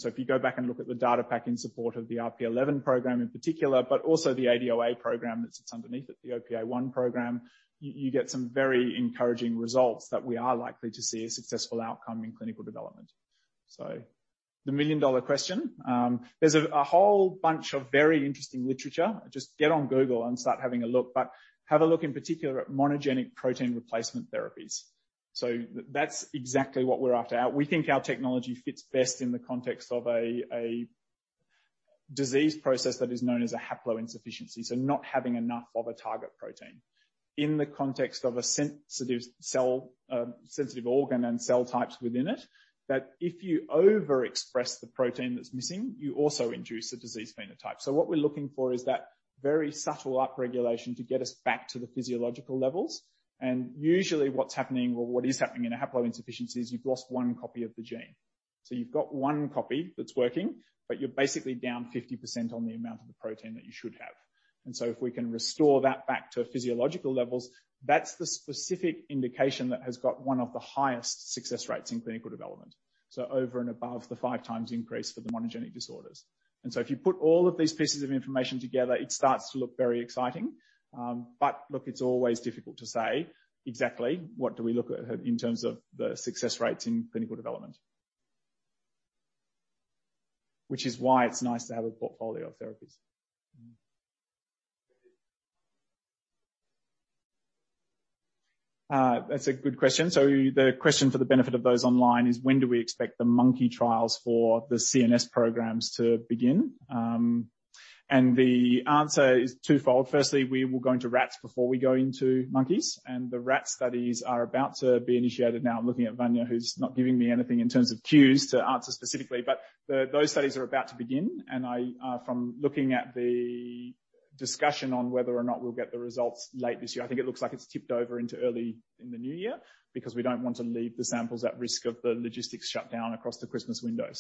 If you go back and look at the data pack in support of the RP11 program in particular, but also the ADOA program that sits underneath it, the OPA1 program, you get some very encouraging results that we are likely to see a successful outcome in clinical development. The million-dollar question, there's a whole bunch of very interesting literature. Just get on Google and start having a look, but have a look in particular at monogenic protein replacement therapies. That's exactly what we're after. We think our technology fits best in the context of a disease process that is known as a haploinsufficiency, so not having enough of a target protein. In the context of a sensitive cell, sensitive organ and cell types within it, that if you overexpress the protein that's missing, you also induce a disease phenotype. What we're looking for is that very subtle upregulation to get us back to the physiological levels. Usually what's happening in a haploinsufficiency is you've lost one copy of the gene. You've got one copy that's working, but you're basically down 50% on the amount of the protein that you should have. If we can restore that back to physiological levels, that's the specific indication that has got one of the highest success rates in clinical development. Over and above the 5x increase for the monogenic disorders. If you put all of these pieces of information together, it starts to look very exciting. But look, it's always difficult to say exactly what do we look at in terms of the success rates in clinical development. Which is why it's nice to have a portfolio of therapies. That's a good question. The question for the benefit of those online is when do we expect the monkey trials for the CNS programs to begin? The answer is twofold. Firstly, we will go into rats before we go into monkeys, and the rat studies are about to be initiated now. I'm looking at Vanya, who's not giving me anything in terms of cues to answer specifically, but those studies are about to begin, and I, from looking at the discussion on whether or not we'll get the results late this year, I think it looks like it's tipped over into early in the new year because we don't want to leave the samples at risk of the logistics shutdown across the Christmas window.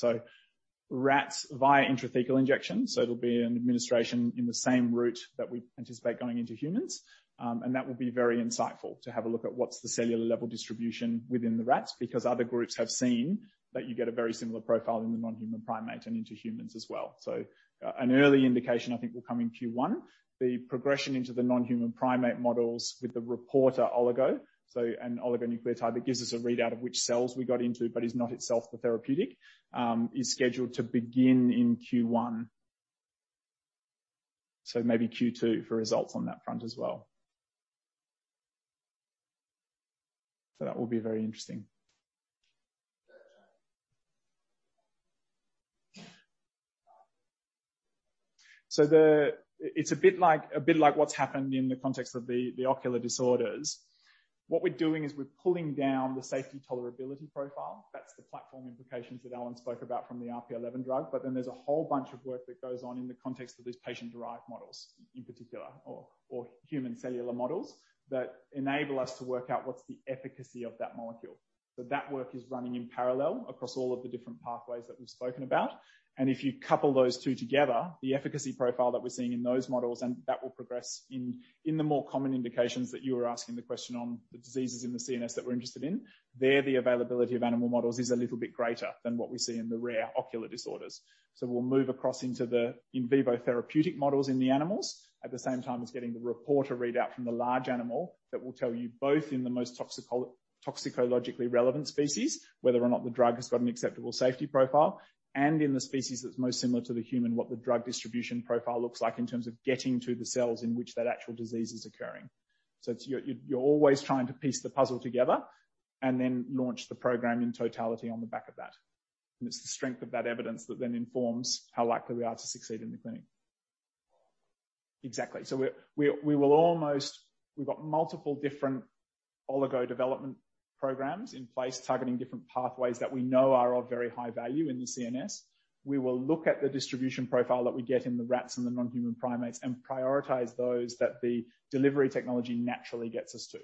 Rats via intrathecal injection. It'll be an administration in the same route that we anticipate going into humans. That will be very insightful to have a look at what's the cellular level distribution within the rats, because other groups have seen that you get a very similar profile in the non-human primate and into humans as well. An early indication, I think will come in Q1. The progression into the non-human primate models with the reporter oligo, so an oligonucleotide, that gives us a readout of which cells we got into, but is not itself the therapeutic, is scheduled to begin in Q1. Maybe Q2 for results on that front as well. That will be very interesting. It's a bit like, a bit like what's happened in the context of the ocular disorders. What we're doing is we're pulling down the safety tolerability profile. That's the platform implications that Alan spoke about from the RP11 drug. There's a whole bunch of work that goes on in the context of these patient-derived models in particular or human cellular models that enable us to work out what's the efficacy of that molecule. That work is running in parallel across all of the different pathways that we've spoken about. If you couple those two together, the efficacy profile that we're seeing in those models, and that will progress in the more common indications that you were asking the question on the diseases in the CNS that we're interested in. There, the availability of animal models is a little bit greater than what we see in the rare ocular disorders. We'll move across into the in vivo therapeutic models in the animals at the same time as getting the reporter readout from the large animal that will tell you both in the most toxicologically relevant species, whether or not the drug has got an acceptable safety profile, and in the species that's most similar to the human, what the drug distribution profile looks like in terms of getting to the cells in which that actual disease is occurring. It's you're always trying to piece the puzzle together and then launch the program in totality on the back of that. It's the strength of that evidence that then informs how likely we are to succeed in the clinic. Exactly. We're. We will almost. We've got multiple different oligo development programs in place, targeting different pathways that we know are of very high value in the CNS. We will look at the distribution profile that we get in the rats and the non-human primates and prioritize those that the delivery technology naturally gets us to.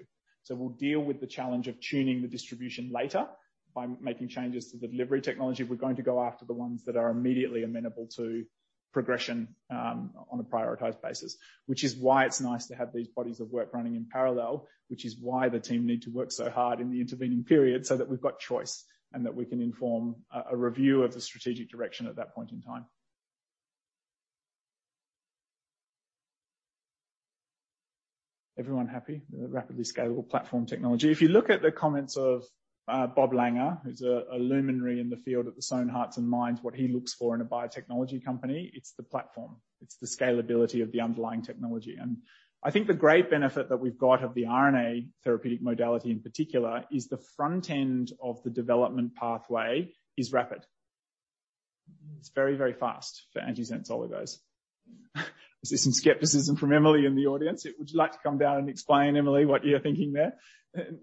We'll deal with the challenge of tuning the distribution later by making changes to the delivery technology. We're going to go after the ones that are immediately amenable to progression on a prioritized basis, which is why it's nice to have these bodies of work running in parallel, which is why the team need to work so hard in the intervening period, so that we've got choice and that we can inform a review of the strategic direction at that point in time. Everyone happy with the rapidly scalable platform technology? If you look at the comments of Bob Langer, who's a luminary in the field at the STAT Hearts and Minds, what he looks for in a biotechnology company, it's the platform. It's the scalability of the underlying technology. I think the great benefit that we've got of the RNA therapeutic modality in particular is the front end of the development pathway is rapid. It's very, very fast for antisense oligos. I see some skepticism from Emily in the audience. Would you like to come down and explain, Emily, what you're thinking there?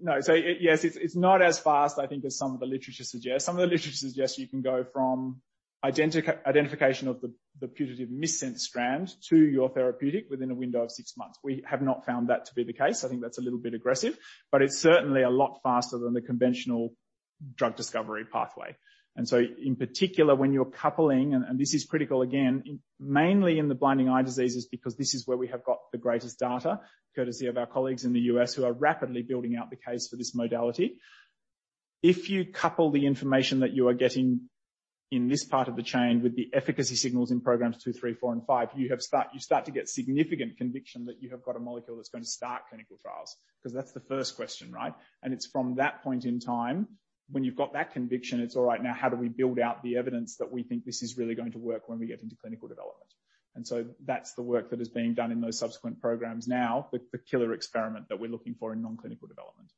No. Yes, it's not as fast, I think, as some of the literature suggests. Some of the literature suggests you can go from identification of the putative antisense strand to your therapeutic within a window of six months. We have not found that to be the case. I think that's a little bit aggressive, but it's certainly a lot faster than the conventional drug discovery pathway. In particular, when you're coupling, and this is critical, again, mainly in the blinding eye diseases, because this is where we have got the greatest data, courtesy of our colleagues in the U.S. who are rapidly building out the case for this modality. If you couple the information that you are getting in this part of the chain with the efficacy signals in programs two, three, four and five, you start to get significant conviction that you have got a molecule that's going to start clinical trials, because that's the first question, right? It's from that point in time when you've got that conviction, it's all right, now how do we build out the evidence that we think this is really going to work when we get into clinical development? That's the work that is being done in those subsequent programs now, with the killer experiment that we're looking for in non-clinical development.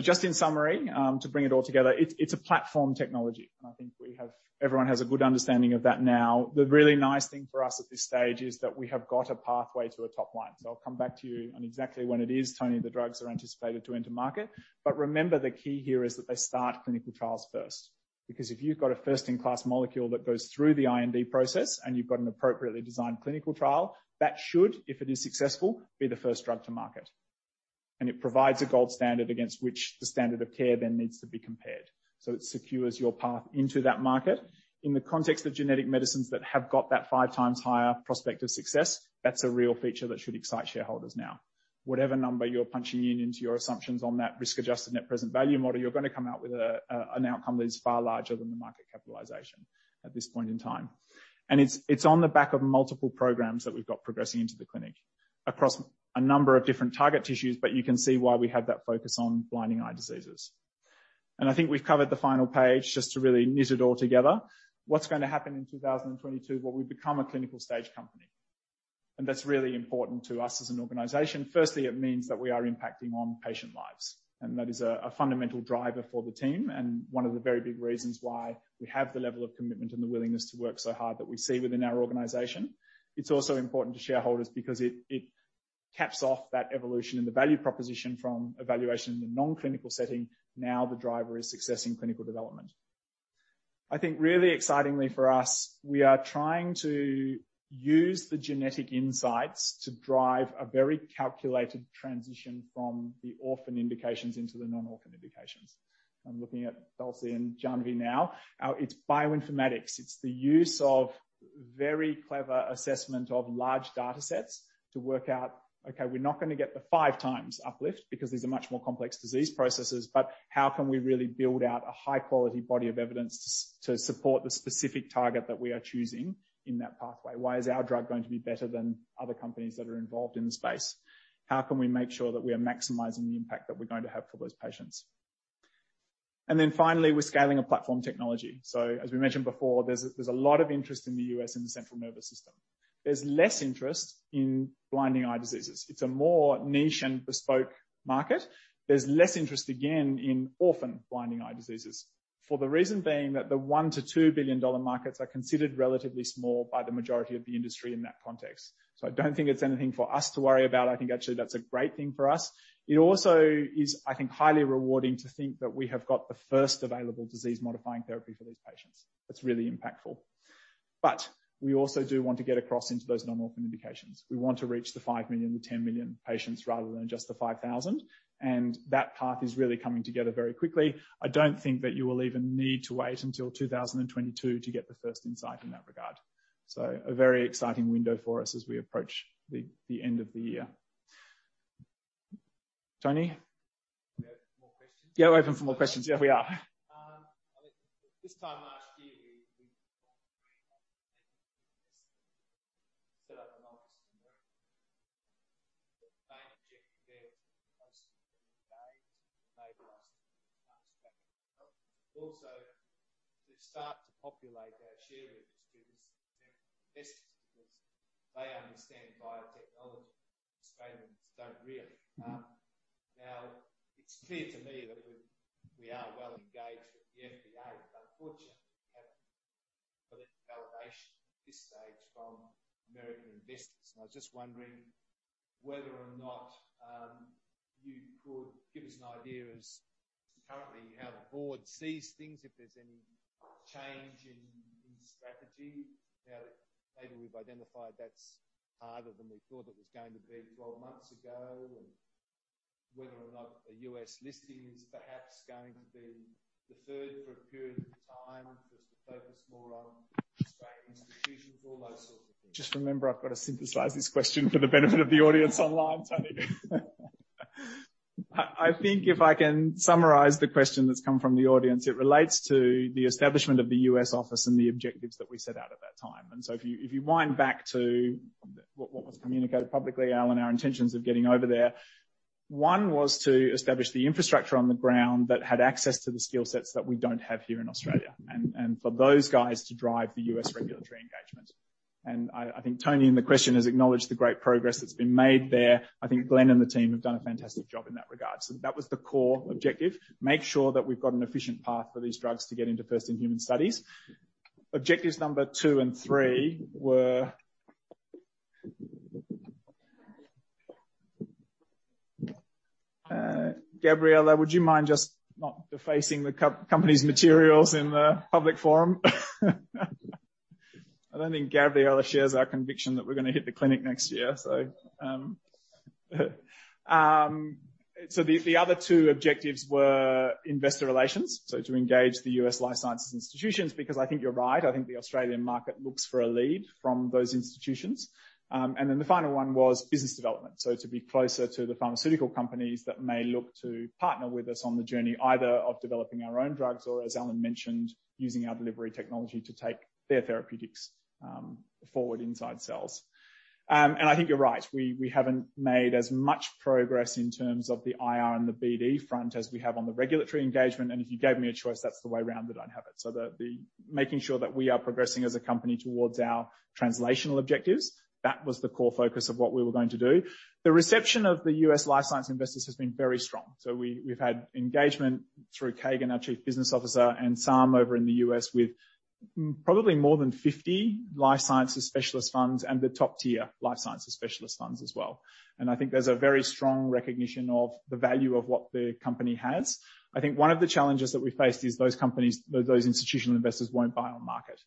Just in summary, to bring it all together, it's a platform technology, and I think everyone has a good understanding of that now. The really nice thing for us at this stage is that we have got a pathway to a top line. I'll come back to you on exactly when it is, Tony, the drugs are anticipated to enter market. Remember, the key here is that they start clinical trials first, because if you've got a first in class molecule that goes through the IND process, and you've got an appropriately designed clinical trial, that should, if it is successful, be the first drug to market. It provides a gold standard against which the standard of care then needs to be compared. It secures your path into that market. In the context of genetic medicines that have got that five times higher prospect of success, that's a real feature that should excite shareholders now. Whatever number you're punching in into your assumptions on that risk-adjusted net present value model, you're gonna come out with an outcome that is far larger than the market capitalization at this point in time. It's on the back of multiple programs that we've got progressing into the clinic across a number of different target tissues, but you can see why we have that focus on blinding eye diseases. I think we've covered the final page just to really knit it all together. What's gonna happen in 2022, well, we've become a clinical stage company, and that's really important to us as an organization. Firstly, it means that we are impacting on patient lives, and that is a fundamental driver for the team and one of the very big reasons why we have the level of commitment and the willingness to work so hard that we see within our organization. It's also important to shareholders because it caps off that evolution and the value proposition from evaluation in the non-clinical setting. Now the driver is success in clinical development. I think really excitingly for us, we are trying to use the genetic insights to drive a very calculated transition from the orphan indications into the non-orphan indications. I'm looking at Dulcie and Janvi now. It's bioinformatics. It's the use of very clever assessment of large data sets to work out, okay, we're not gonna get the five times uplift because these are much more complex disease processes, but how can we really build out a high-quality body of evidence to support the specific target that we are choosing in that pathway? Why is our drug going to be better than other companies that are involved in the space? How can we make sure that we are maximizing the impact that we're going to have for those patients? Finally, we're scaling a platform technology. As we mentioned before, there's a lot of interest in the U.S. in the central nervous system. There's less interest in blinding eye diseases. It's a more niche and bespoke market. There's less interest again in orphan blinding eye diseases, for the reason being that the $1-$2 billion markets are considered relatively small by the majority of the industry in that context. I don't think it's anything for us to worry about. I think actually that's a great thing for us. It also is, I think, highly rewarding to think that we have got the first available disease-modifying therapy for these patients. That's really impactful. We also do want to get across into those non-orphan indications. We want to reach the five million-10 million patients rather than just the 5,000, and that path is really coming together very quickly. I don't think that you will even need to wait until 2022 to get the first insight in that regard. A very exciting window for us as we approach the end of the year. Tony? We have more questions. Yeah, we're open for more questions. Yeah, we are. I think this time last year we set up an office in America. The main objective there was to engage, enable us to attract. Also, to start to populate our share registry with American investors because they understand biotechnology. Australians don't really. Now it's clear to me that we are well engaged with the FDA, but unfortunately, we haven't got any validation at this stage from American investors. I was just wondering whether or not you could give us an idea as to currently how the board sees things, if there's any change in strategy now that maybe we've identified that's harder than we thought it was going to be twelve months ago, and whether or not a U.S. listing is perhaps going to be deferred for a period of time just to focus more on Australian institutions, all those sorts of things. Just remember I've got to synthesize this question for the benefit of the audience online, Tony. I think if I can summarize the question that's come from the audience, it relates to the establishment of the U.S. office and the objectives that we set out at that time. If you wind back to what was communicated publicly, Alan, our intentions of getting over there, one was to establish the infrastructure on the ground that had access to the skill sets that we don't have here in Australia and for those guys to drive the U.S. regulatory engagement. I think Tony in the question has acknowledged the great progress that's been made there. I think Glenn and the team have done a fantastic job in that regard. That was the core objective, make sure that we've got an efficient path for these drugs to get into first in human studies. Objectives number two and three were. Gabriella, would you mind just not defacing the company's materials in the public forum? I don't think Gabriella shares our conviction that we're gonna hit the clinic next year. The other two objectives were investor relations, so to engage the U.S. life sciences institutions, because I think you're right, I think the Australian market looks for a lead from those institutions. Then the final one was business development. To be closer to the pharmaceutical companies that may look to partner with us on the journey, either of developing our own drugs or, as Alan mentioned, using our delivery technology to take their therapeutics forward inside cells. I think you're right. We haven't made as much progress in terms of the IR and the BD front as we have on the regulatory engagement, and if you gave me a choice, that's the way around that I'd have it. The making sure that we are progressing as a company towards our translational objectives, that was the core focus of what we were going to do. The reception of the U.S. life science investors has been very strong. We've had engagement through Kagan, our chief business officer, and Sam over in the U.S. with probably more than 50 life sciences specialist funds and the top-tier life sciences specialist funds as well. I think there's a very strong recognition of the value of what the company has. I think one of the challenges that we faced is those companies, those institutional investors won't buy on market.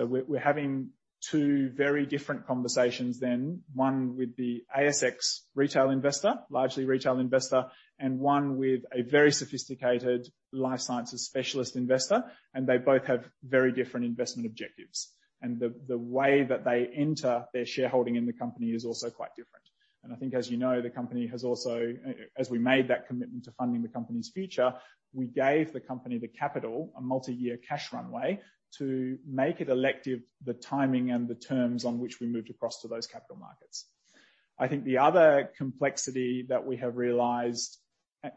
We're having two very different conversations than. One with the ASX retail investor, largely retail investor, and one with a very sophisticated life sciences specialist investor, and they both have very different investment objectives. The way that they enter their shareholding in the company is also quite different. I think, as you know, the company has also, as we made that commitment to funding the company's future, we gave the company the capital, a multi-year cash runway, to make it selective, the timing and the terms on which we moved across to those capital markets. I think the other complexity that we have realized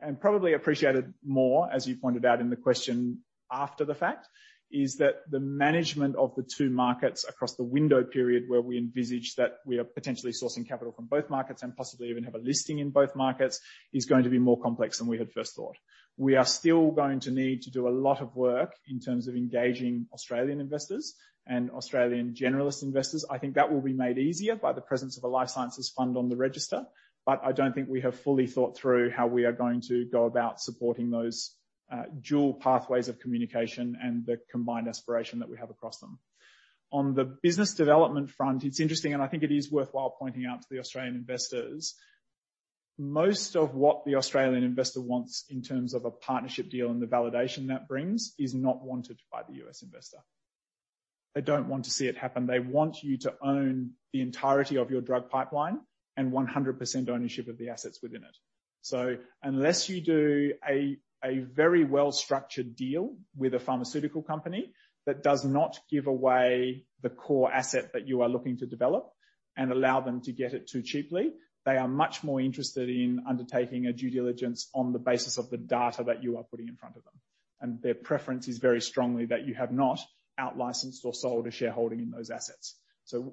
and probably appreciated more, as you pointed out in the question after the fact, is that the management of the two markets across the window period where we envisage that we are potentially sourcing capital from both markets and possibly even have a listing in both markets, is going to be more complex than we had first thought. We are still going to need to do a lot of work in terms of engaging Australian investors and Australian generalist investors. I think that will be made easier by the presence of a life sciences fund on the register, but I don't think we have fully thought through how we are going to go about supporting those dual pathways of communication and the combined aspiration that we have across them. On the business development front, it's interesting, and I think it is worthwhile pointing out to the Australian investors, most of what the Australian investor wants in terms of a partnership deal and the validation that brings is not wanted by the U.S. investor. They don't want to see it happen. They want you to own the entirety of your drug pipeline and 100% ownership of the assets within it. Unless you do a very well-structured deal with a pharmaceutical company that does not give away the core asset that you are looking to develop and allow them to get it too cheaply, they are much more interested in undertaking a due diligence on the basis of the data that you are putting in front of them. Their preference is very strongly that you have not out-licensed or sold a shareholding in those assets.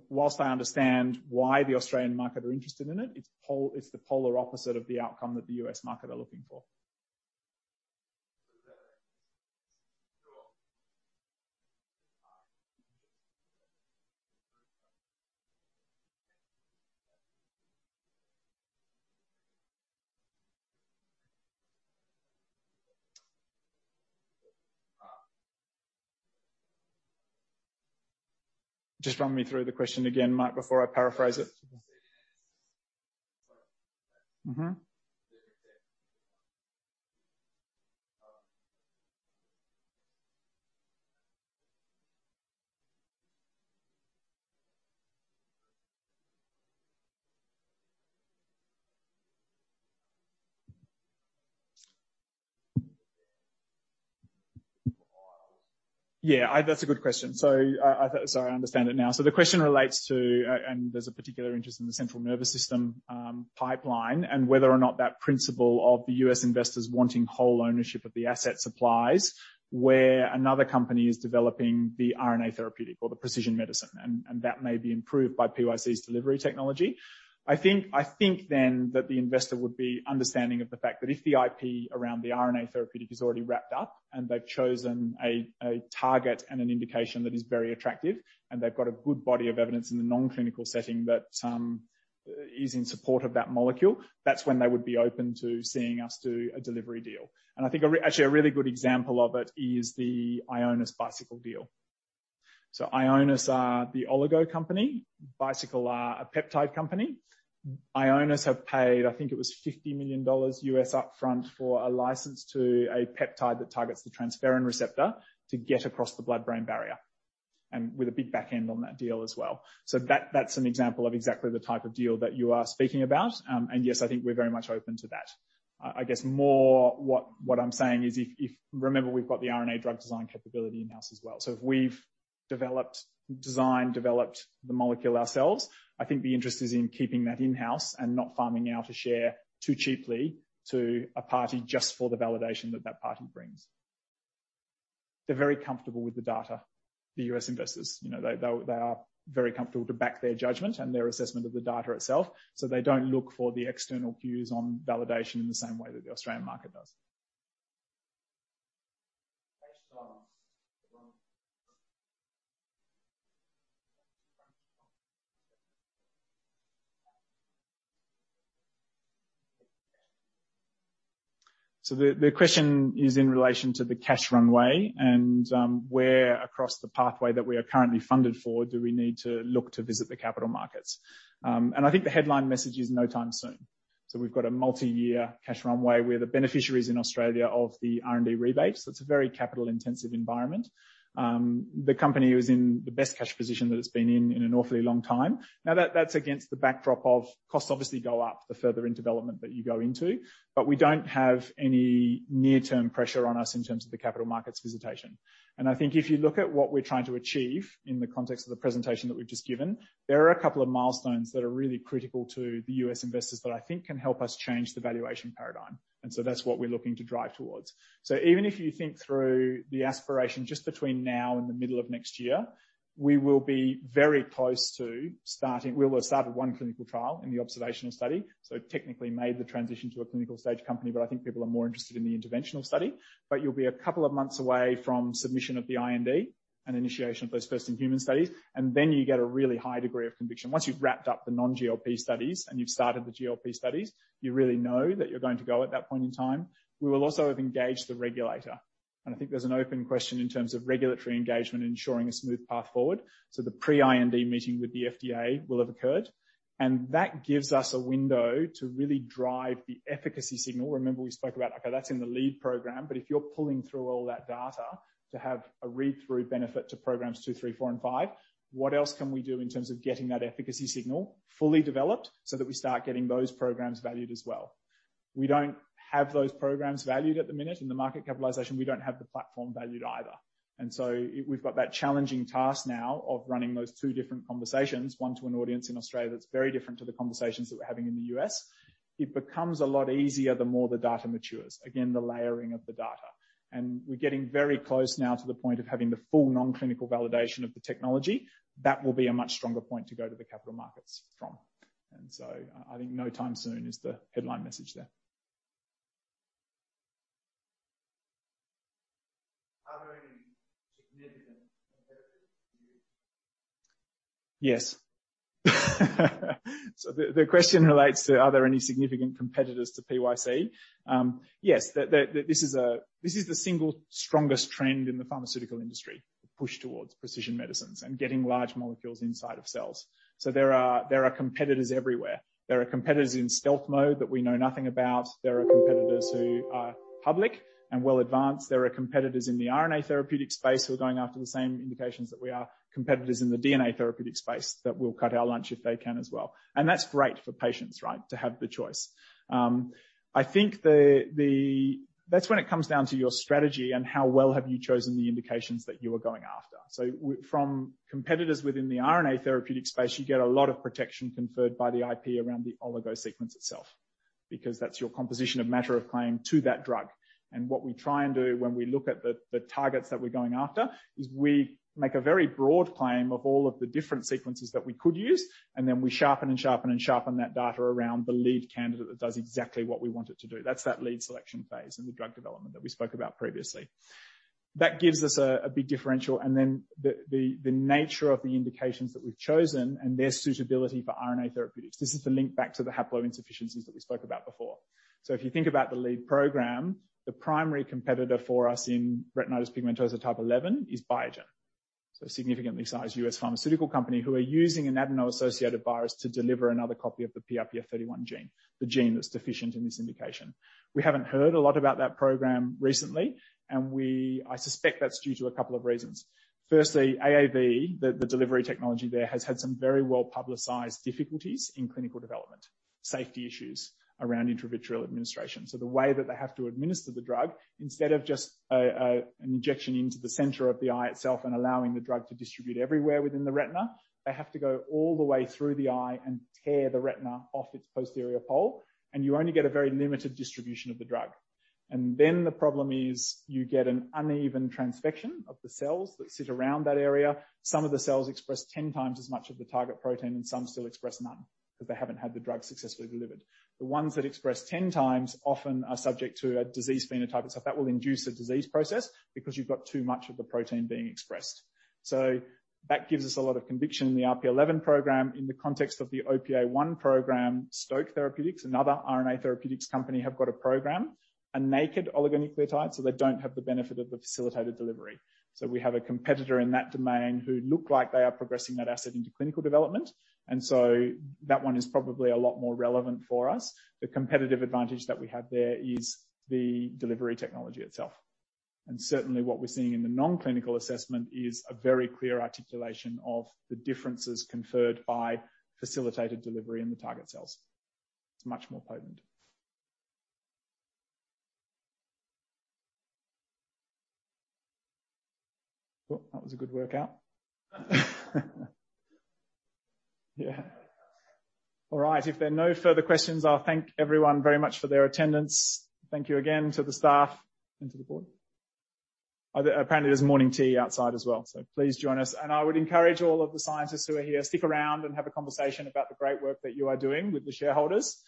While I understand why the Australian market are interested in it's the polar opposite of the outcome that the U.S. market are looking for. Just run me through the question again, Mike, before I paraphrase it. Yeah. That's a good question. I understand it now. The question relates to, and there's a particular interest in the central nervous system pipeline, and whether or not that principle of the U.S. investors wanting whole ownership of the assets applies where another company is developing the RNA therapeutic or the precision medicine, and that may be improved by PYC's delivery technology. I think then that the investor would be understanding of the fact that if the IP around the RNA therapeutic is already wrapped up and they've chosen a target and an indication that is very attractive, and they've got a good body of evidence in the non-clinical setting that is in support of that molecule, that's when they would be open to seeing us do a delivery deal. I think actually, a really good example of it is the Ionis-Bicycle deal. Ionis are the oligo company, Bicycle are a peptide company. Ionis have paid, I think it was $50 million upfront for a license to a peptide that targets the transferrin receptor to get across the blood-brain barrier, and with a big back end on that deal as well. That's an example of exactly the type of deal that you are speaking about. Yes, I think we're very much open to that. I guess more what I'm saying is if... Remember we've got the RNA drug design capability in-house as well. If we've developed, designed, developed the molecule ourselves, I think the interest is in keeping that in-house and not farming out a share too cheaply to a party just for the validation that that party brings. They're very comfortable with the data, the U.S. investors. You know, they are very comfortable to back their judgment and their assessment of the data itself, so they don't look for the external views on validation in the same way that the Australian market does. The question is in relation to the cash runway and where across the pathway that we are currently funded for do we need to look to visit the capital markets. I think the headline message is no time soon. We've got a multi-year cash runway. We're the beneficiaries in Australia of the R&D rebate, so it's a very capital-intensive environment. The company is in the best cash position that it's been in in an awfully long time. That's against the backdrop of costs obviously go up the further in development that you go into, but we don't have any near-term pressure on us in terms of the capital markets visitation. I think if you look at what we're trying to achieve in the context of the presentation that we've just given, there are a couple of milestones that are really critical to the U.S. investors that I think can help us change the valuation paradigm, and so that's what we're looking to drive towards. Even if you think through the aspiration just between now and the middle of next year, we will be very close to starting. We will have started one clinical trial in the observational study, so technically made the transition to a clinical-stage company, but I think people are more interested in the interventional study. You'll be a couple of months away from submission of the IND and initiation of those first-in-human studies, and then you get a really high degree of conviction. Once you've wrapped up the non-GLP studies and you've started the GLP studies, you really know that you're going to go at that point in time. We will also have engaged the regulator. I think there's an open question in terms of regulatory engagement ensuring a smooth path forward. The pre-IND meeting with the FDA will have occurred, and that gives us a window to really drive the efficacy signal. Remember we spoke about, okay, that's in the lead program, but if you're pulling through all that data to have a read-through benefit to programs two, three, four and five, what else can we do in terms of getting that efficacy signal fully developed so that we start getting those programs valued as well? We don't have those programs valued at the minute. In the market capitalization, we don't have the platform valued either. We've got that challenging task now of running those two different conversations, one to an audience in Australia that's very different to the conversations that we're having in the U.S. It becomes a lot easier the more the data matures. Again, the layering of the data. We're getting very close now to the point of having the full non-clinical validation of the technology. That will be a much stronger point to go to the capital markets from. I think no time soon is the headline message there. Are there any significant competitors to PYC? Yes. The question relates to, are there any significant competitors to PYC? Yes. This is the single strongest trend in the pharmaceutical industry, the push towards precision medicines and getting large molecules inside of cells. There are competitors everywhere. There are competitors in stealth mode that we know nothing about. There are competitors who are public and well advanced. There are competitors in the RNA therapeutic space who are going after the same indications that we are. Competitors in the DNA therapeutic space that will cut our lunch if they can as well. That's great for patients, right, to have the choice. I think that's when it comes down to your strategy and how well have you chosen the indications that you are going after. From competitors within the RNA therapeutic space, you get a lot of protection conferred by the IP around the oligo sequence itself, because that's your composition of matter claim to that drug. What we try and do when we look at the targets that we're going after is we make a very broad claim of all of the different sequences that we could use, and then we sharpen and sharpen and sharpen that data around the lead candidate that does exactly what we want it to do. That's the lead selection phase in the drug development that we spoke about previously. That gives us a big differential. Then the nature of the indications that we've chosen and their suitability for RNA therapeutics. This is the link back to the haploinsufficiencies that we spoke about before. If you think about the lead program, the primary competitor for us in Retinitis Pigmentosa Type 11 is Biogen. A significantly sized U.S. pharmaceutical company who are using an adeno-associated virus to deliver another copy of the PRPF31 gene, the gene that's deficient in this indication. We haven't heard a lot about that program recently, and I suspect that's due to a couple of reasons. Firstly, AAV, the delivery technology there, has had some very well-publicized difficulties in clinical development, safety issues around intravitreal administration. The way that they have to administer the drug, instead of just an injection into the center of the eye itself and allowing the drug to distribute everywhere within the retina, they have to go all the way through the eye and tear the retina off its posterior pole, and you only get a very limited distribution of the drug. The problem is you get an uneven transfection of the cells that sit around that area. Some of the cells express 10 times as much of the target protein, and some still express none because they haven't had the drug successfully delivered. The ones that express 10x often are subject to a disease phenotype and stuff. That will induce a disease process because you've got too much of the protein being expressed. That gives us a lot of conviction in the RP11 program. In the context of the OPA1 program, Stoke Therapeutics, another RNA therapeutics company, have got a program, a naked oligonucleotide, so they don't have the benefit of the facilitated delivery. We have a competitor in that domain who look like they are progressing that asset into clinical development, and that one is probably a lot more relevant for us. The competitive advantage that we have there is the delivery technology itself. Certainly what we're seeing in the non-clinical assessment is a very clear articulation of the differences conferred by facilitated delivery in the target cells. It's much more potent. Well, that was a good workout. Yeah. All right. If there are no further questions, I'll thank everyone very much for their attendance. Thank you again to the staff and to the board. Apparently there's morning tea outside as well. Please join us. I would encourage all of the scientists who are here, stick around and have a conversation about the great work that you are doing with the shareholders.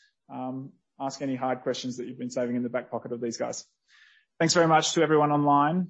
Ask any hard questions that you've been saving in the back pocket of these guys. Thanks very much to everyone online.